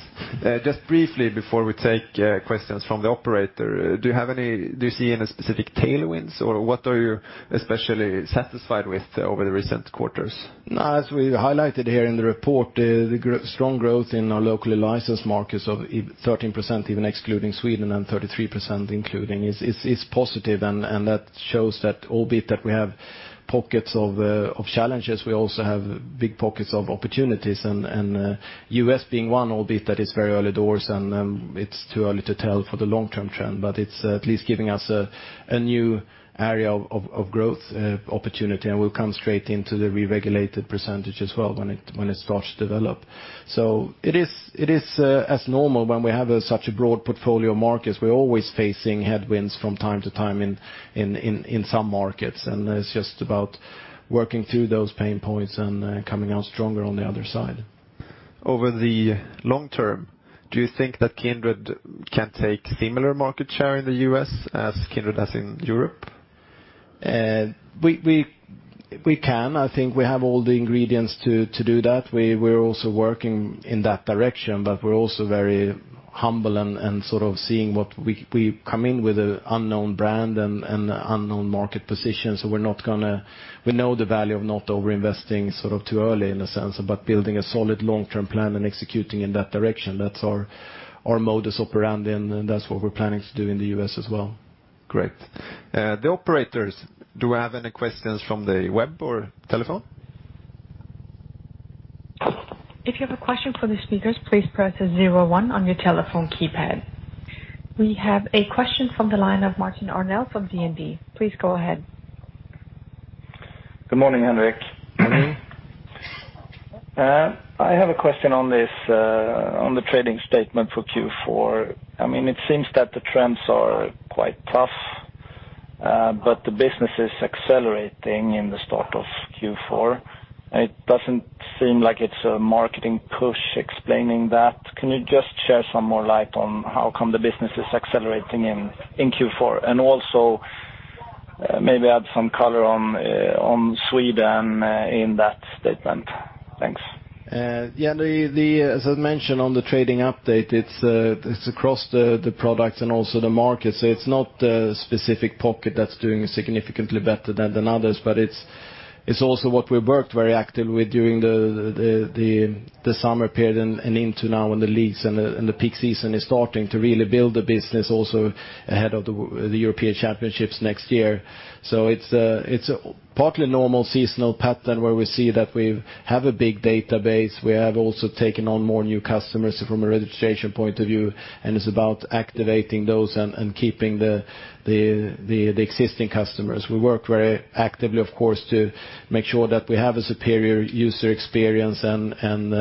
Just briefly before we take questions from the operator, do you see any specific tailwinds, or what are you especially satisfied with over the recent quarters? As we highlighted here in the report, the strong growth in our locally licensed markets of 13%, even excluding Sweden and 33% including, is positive, and that shows that albeit that we have pockets of challenges, we also have big pockets of opportunities, and U.S. being one, albeit that it's very early doors and it's too early to tell for the long-term trend, but it's at least giving us a new area of growth opportunity, and we'll come straight into the re-regulated percentage as well when it starts to develop. It is as normal when we have such a broad portfolio of markets, we're always facing headwinds from time to time in some markets, and it's just about working through those pain points and coming out stronger on the other side. Over the long term, do you think that Kindred can take similar market share in the U.S. as Kindred as in Europe? We can. I think we have all the ingredients to do that. We're also working in that direction, but we're also very humble and seeing what we come in with an unknown brand and unknown market position. We know the value of not over-investing too early in a sense, but building a solid long-term plan and executing in that direction. That's our modus operandi, and that's what we're planning to do in the U.S. as well. Great. The operators, do I have any questions from the web or telephone? If you have a question for the speakers, please press 0 one on your telephone keypad. We have a question from the line of Martin Arnell from DNB. Please go ahead. Good morning, Henrik. Morning. I have a question on the trading statement for Q4. It seems that the trends are quite tough, but the business is accelerating in the start of Q4. It doesn't seem like it's a marketing push explaining that. Can you just share some more light on how come the business is accelerating in Q4, and also maybe add some color on Sweden in that statement? Thanks. Yeah. As I mentioned on the trading update, it's across the products and also the markets. It's not a specific pocket that's doing significantly better than others, but it's also what we worked very actively during the summer period and into now in the leagues and the peak season is starting to really build the business also ahead of the European Championship next year. It's a partly normal seasonal pattern where we see that we have a big database. We have also taken on more new customers from a registration point of view, and it's about activating those and keeping the existing customers. We work very actively, of course, to make sure that we have a superior user experience and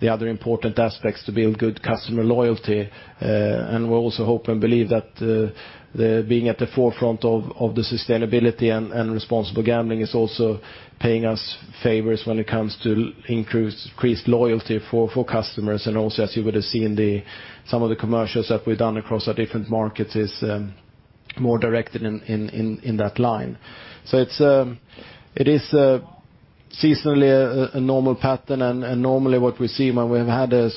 the other important aspects to build good customer loyalty. We also hope and believe that being at the forefront of the sustainability and responsible gambling is also paying us favors when it comes to increased loyalty for customers, and also, as you would have seen, some of the commercials that we've done across our different markets is more directed in that line. It is seasonally a normal pattern, and normally what we see when we have had a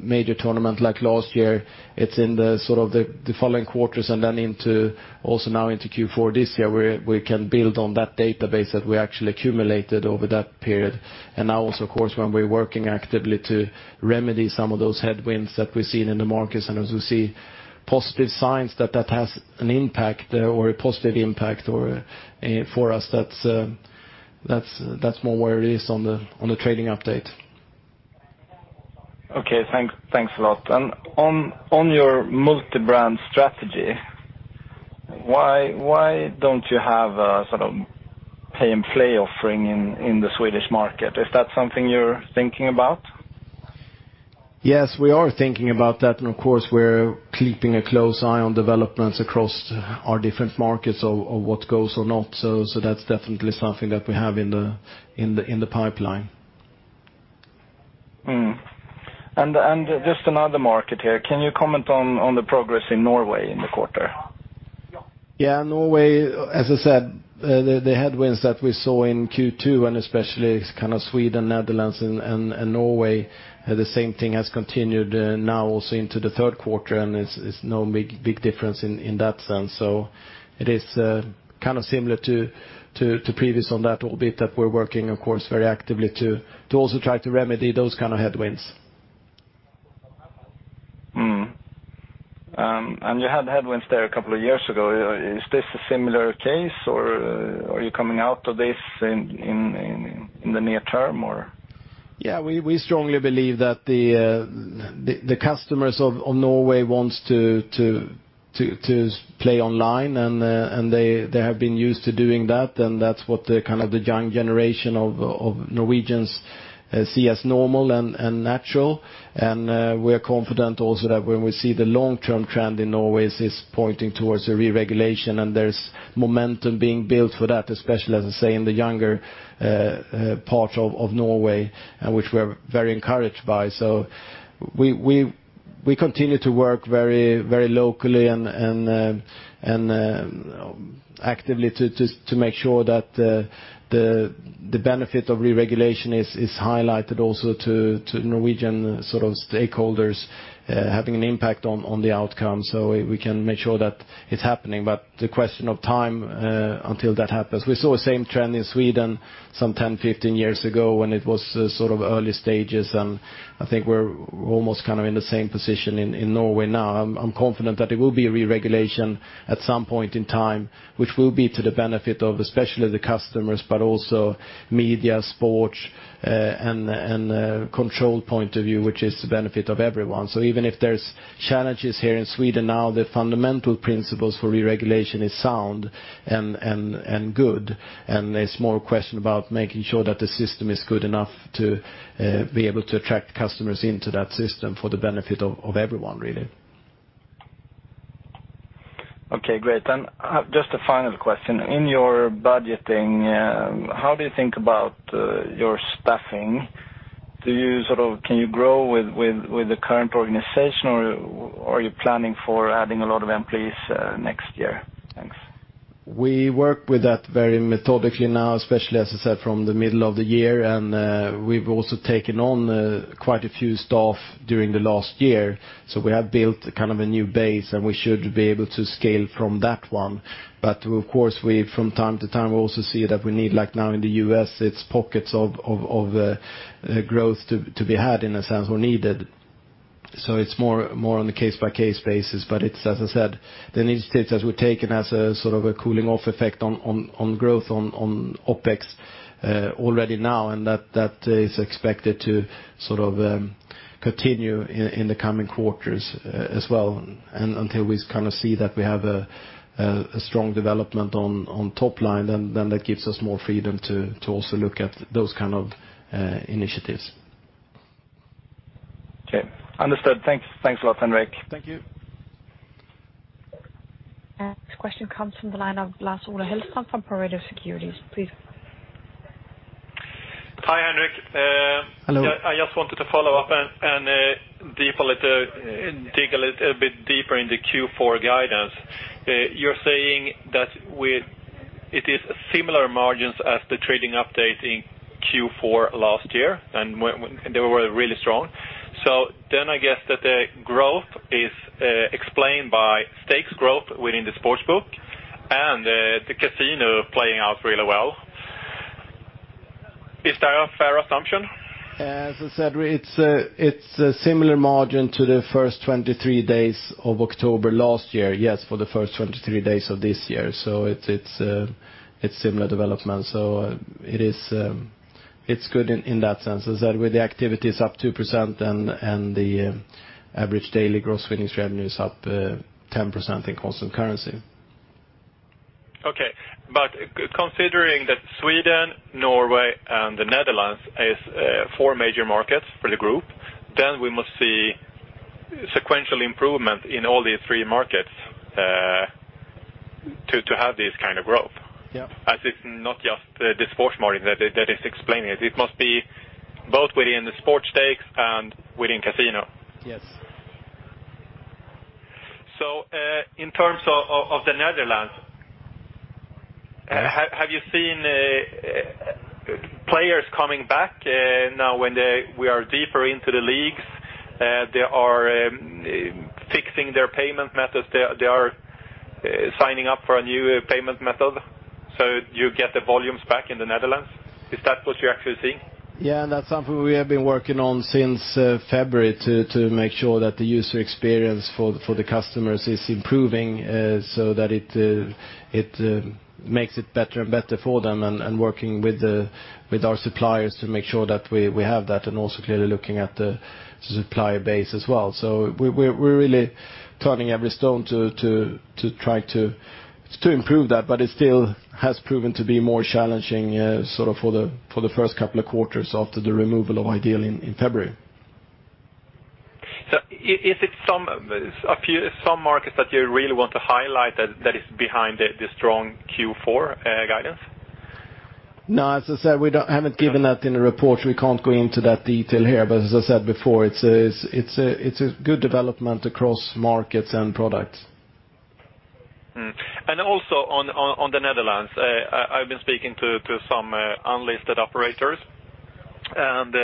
major tournament like last year, it's in the following quarters and then also now into Q4 this year, where we can build on that database that we actually accumulated over that period. Now also, of course, when we're working actively to remedy some of those headwinds that we've seen in the markets, and as we see positive signs that that has an impact or a positive impact for us, that's more where it is on the trading update. Okay, thanks a lot. On your multi-brand strategy, why don't you have a pay and play offering in the Swedish market? Is that something you're thinking about? Yes, we are thinking about that. Of course, we're keeping a close eye on developments across our different markets of what goes or not. That's definitely something that we have in the pipeline. Just another market here. Can you comment on the progress in Norway in the quarter? Yeah, Norway, as I said, the headwinds that we saw in Q2, especially kind of Sweden, Netherlands, and Norway, the same thing has continued now also into the third quarter. It's no big difference in that sense. It is kind of similar to previous on that bit that we're working, of course, very actively to also try to remedy those kind of headwinds. You had headwinds there a couple of years ago. Is this a similar case, or are you coming out of this in the near term or? We strongly believe that the customers of Norway wants to play online, and they have been used to doing that, and that's what the young generation of Norwegians see as normal and natural. We are confident also that when we see the long-term trend in Norway is pointing towards a re-regulation, and there's momentum being built for that, especially, as I say, in the younger part of Norway, which we're very encouraged by. We continue to work very locally and actively to make sure that the benefit of re-regulation is highlighted also to Norwegian sort of stakeholders having an impact on the outcome so we can make sure that it's happening. The question of time until that happens. We saw the same trend in Sweden some 10, 15 years ago when it was sort of early stages, and I think we're almost in the same position in Norway now. I'm confident that it will be a re-regulation at some point in time, which will be to the benefit of especially the customers, but also media, sports, and control point of view, which is the benefit of everyone. Even if there's challenges here in Sweden now, the fundamental principles for re-regulation is sound and good, and it's more a question about making sure that the system is good enough to be able to attract customers into that system for the benefit of everyone, really. Okay, great. Just a final question. In your budgeting, how do you think about your staffing? Can you grow with the current organization, or are you planning for adding a lot of employees next year? Thanks. We work with that very methodically now, especially, as I said, from the middle of the year, and we've also taken on quite a few staff during the last year. We have built kind of a new base, and we should be able to scale from that one. Of course, we from time to time, we also see that we need, like now in the U.S., it's pockets of growth to be had in a sense where needed. It's more on a case-by-case basis, but it's, as I said, the initiatives we've taken as a sort of a cooling off effect on growth on OpEx already now, and that is expected to sort of continue in the coming quarters as well. Until we kind of see that we have a strong development on top line, then that gives us more freedom to also look at those kind of initiatives. Okay. Understood. Thanks. Thanks a lot, Henrik. Thank you. Next question comes from the line of Lars-Ola Hellström from Pareto Securities. Please. Hi, Henrik. Hello. I just wanted to follow up and dig a little bit deeper in the Q4 guidance. You're saying that it is similar margins as the trading update in Q4 last year. They were really strong. I guess that the growth is explained by stakes growth within the sports book and the casino playing out really well. Is that a fair assumption? As I said, it's a similar margin to the first 23 days of October last year. Yes, for the first 23 days of this year. It's similar development. It's good in that sense. As I said, with the activities up 2% and the average daily gross winnings revenues up 10% in constant currency. Okay. Considering that Sweden, Norway, and the Netherlands is four major markets for the Group, then we must see sequential improvement in all these three markets to have this kind of growth. Yeah. It's not just the sports margin that is explaining it. It must be both within the sports stakes and within casino. Yes. In terms of the Netherlands, have you seen players coming back now when we are deeper into the leagues, they are fixing their payment methods, they are signing up for a new payment method, so you get the volumes back in the Netherlands? Is that what you are actually seeing? Yeah, that's something we have been working on since February to make sure that the user experience for the customers is improving so that It makes it better and better for them and working with our suppliers to make sure that we have that and also clearly looking at the supplier base as well. We're really turning every stone to try to improve that, but it still has proven to be more challenging sort of for the first couple of quarters after the removal of iDEAL in February. Is it some markets that you really want to highlight that is behind the strong Q4 guidance? No, as I said, we haven't given that in the report. We can't go into that detail here. As I said before, it's a good development across markets and products. Also on the Netherlands, I've been speaking to some unlisted operators, and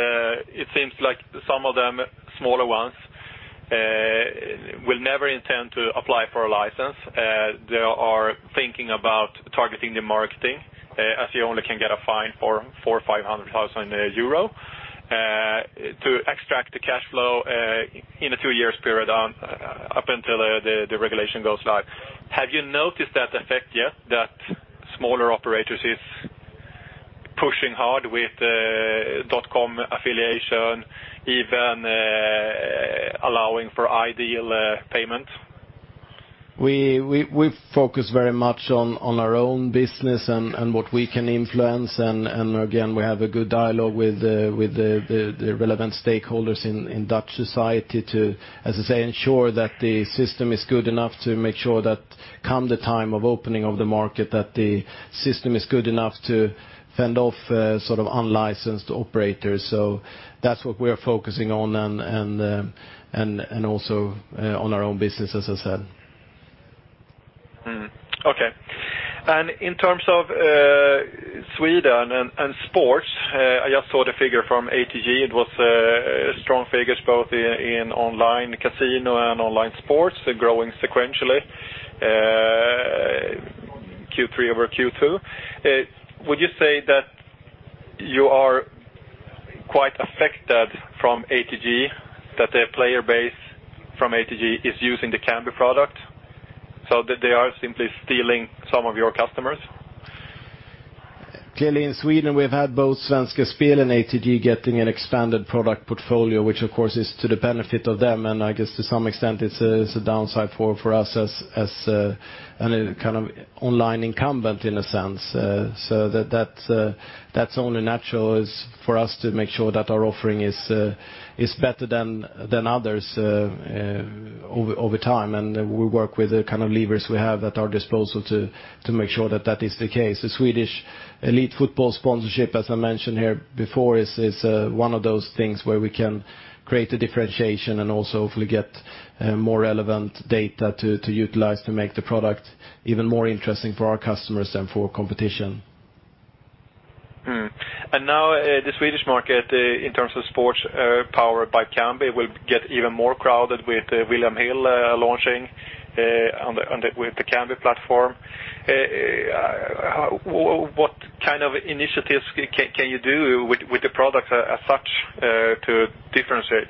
it seems like some of them, smaller ones, will never intend to apply for a license. They are thinking about targeting the marketing, as you only can get a fine for 400,000 or 500,000 euro to extract the cash flow in a two years period up until the regulation goes live. Have you noticed that effect yet, that smaller operators is pushing hard with dotcom affiliation, even allowing for iDEAL payments? We focus very much on our own business and what we can influence. Again, we have a good dialogue with the relevant stakeholders in Dutch society to, as I say, ensure that the system is good enough to make sure that come the time of opening of the market, that the system is good enough to fend off sort of unlicensed operators. That's what we're focusing on and also on our own business, as I said. Okay. In terms of Sweden and sports, I just saw the figure from ATG. It was strong figures both in online casino and online sports, growing sequentially Q3 over Q2. Would you say that you are quite affected from ATG, that their player base from ATG is using the Kambi product so that they are simply stealing some of your customers? Clearly in Sweden, we've had both Svenska Spel and ATG getting an expanded product portfolio, which of course is to the benefit of them, and I guess to some extent it's a downside for us as a kind of online incumbent in a sense. That's only natural is for us to make sure that our offering is better than others over time, and we work with the kind of levers we have at our disposal to make sure that that is the case. The Swedish elite football sponsorship, as I mentioned here before, is one of those things where we can create a differentiation and also hopefully get more relevant data to utilize to make the product even more interesting for our customers than for competition. Now the Swedish market, in terms of sports powered by Kambi, will get even more crowded with William Hill launching with the Kambi platform. What kind of initiatives can you do with the product as such to differentiate?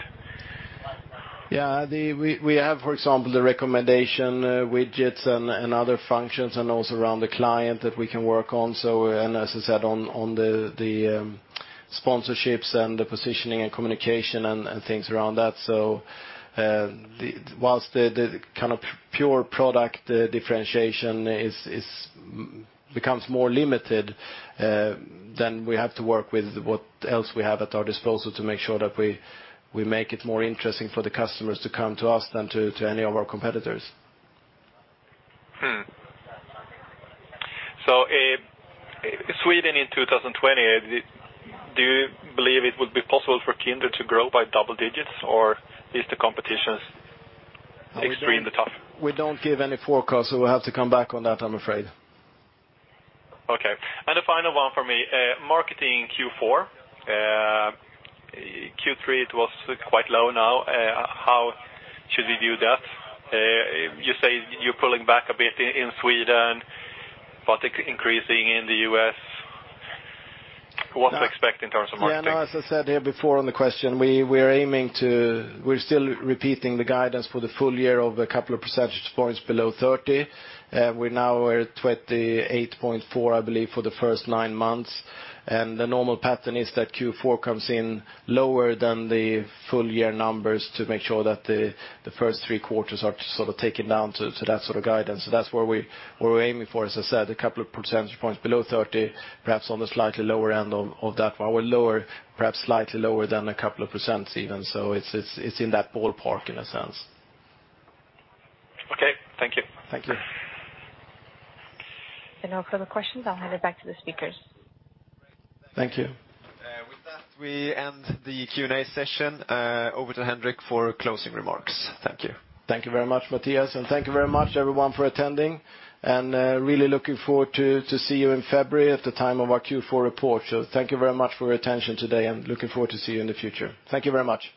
Yeah, we have, for example, the recommendation widgets and other functions and also around the client that we can work on. As I said on the sponsorships and the positioning and communication and things around that. Whilst the kind of pure product differentiation becomes more limited, then we have to work with what else we have at our disposal to make sure that we make it more interesting for the customers to come to us than to any of our competitors. Sweden in 2020, do you believe it would be possible for Kindred to grow by double digits, or is the competition extremely tough? We don't give any forecast, so we'll have to come back on that, I'm afraid. Okay. A final one for me. Marketing Q4. Q3, it was quite low now. How should we view that? You say you're pulling back a bit in Sweden, but increasing in the U.S. What to expect in terms of marketing? As I said here before on the question, we're still repeating the guidance for the full year of a couple of percentage points below 30. We now are at 28.4, I believe, for the first nine months. The normal pattern is that Q4 comes in lower than the full year numbers to make sure that the first three quarters are sort of taken down to that sort of guidance. That's where we're aiming for, as I said, a couple of percentage points below 30, perhaps on the slightly lower end of that, or lower, perhaps slightly lower than a couple of % even. It's in that ballpark in a sense. Okay. Thank you. Thank you. No further questions. I'll hand it back to the speakers. Thank you. With that, we end the Q&A session. Over to Henrik for closing remarks. Thank you. Thank you very much, Mattias. Thank you very much, everyone, for attending. Really looking forward to see you in February at the time of our Q4 report. Thank you very much for your attention today, and looking forward to see you in the future. Thank you very much.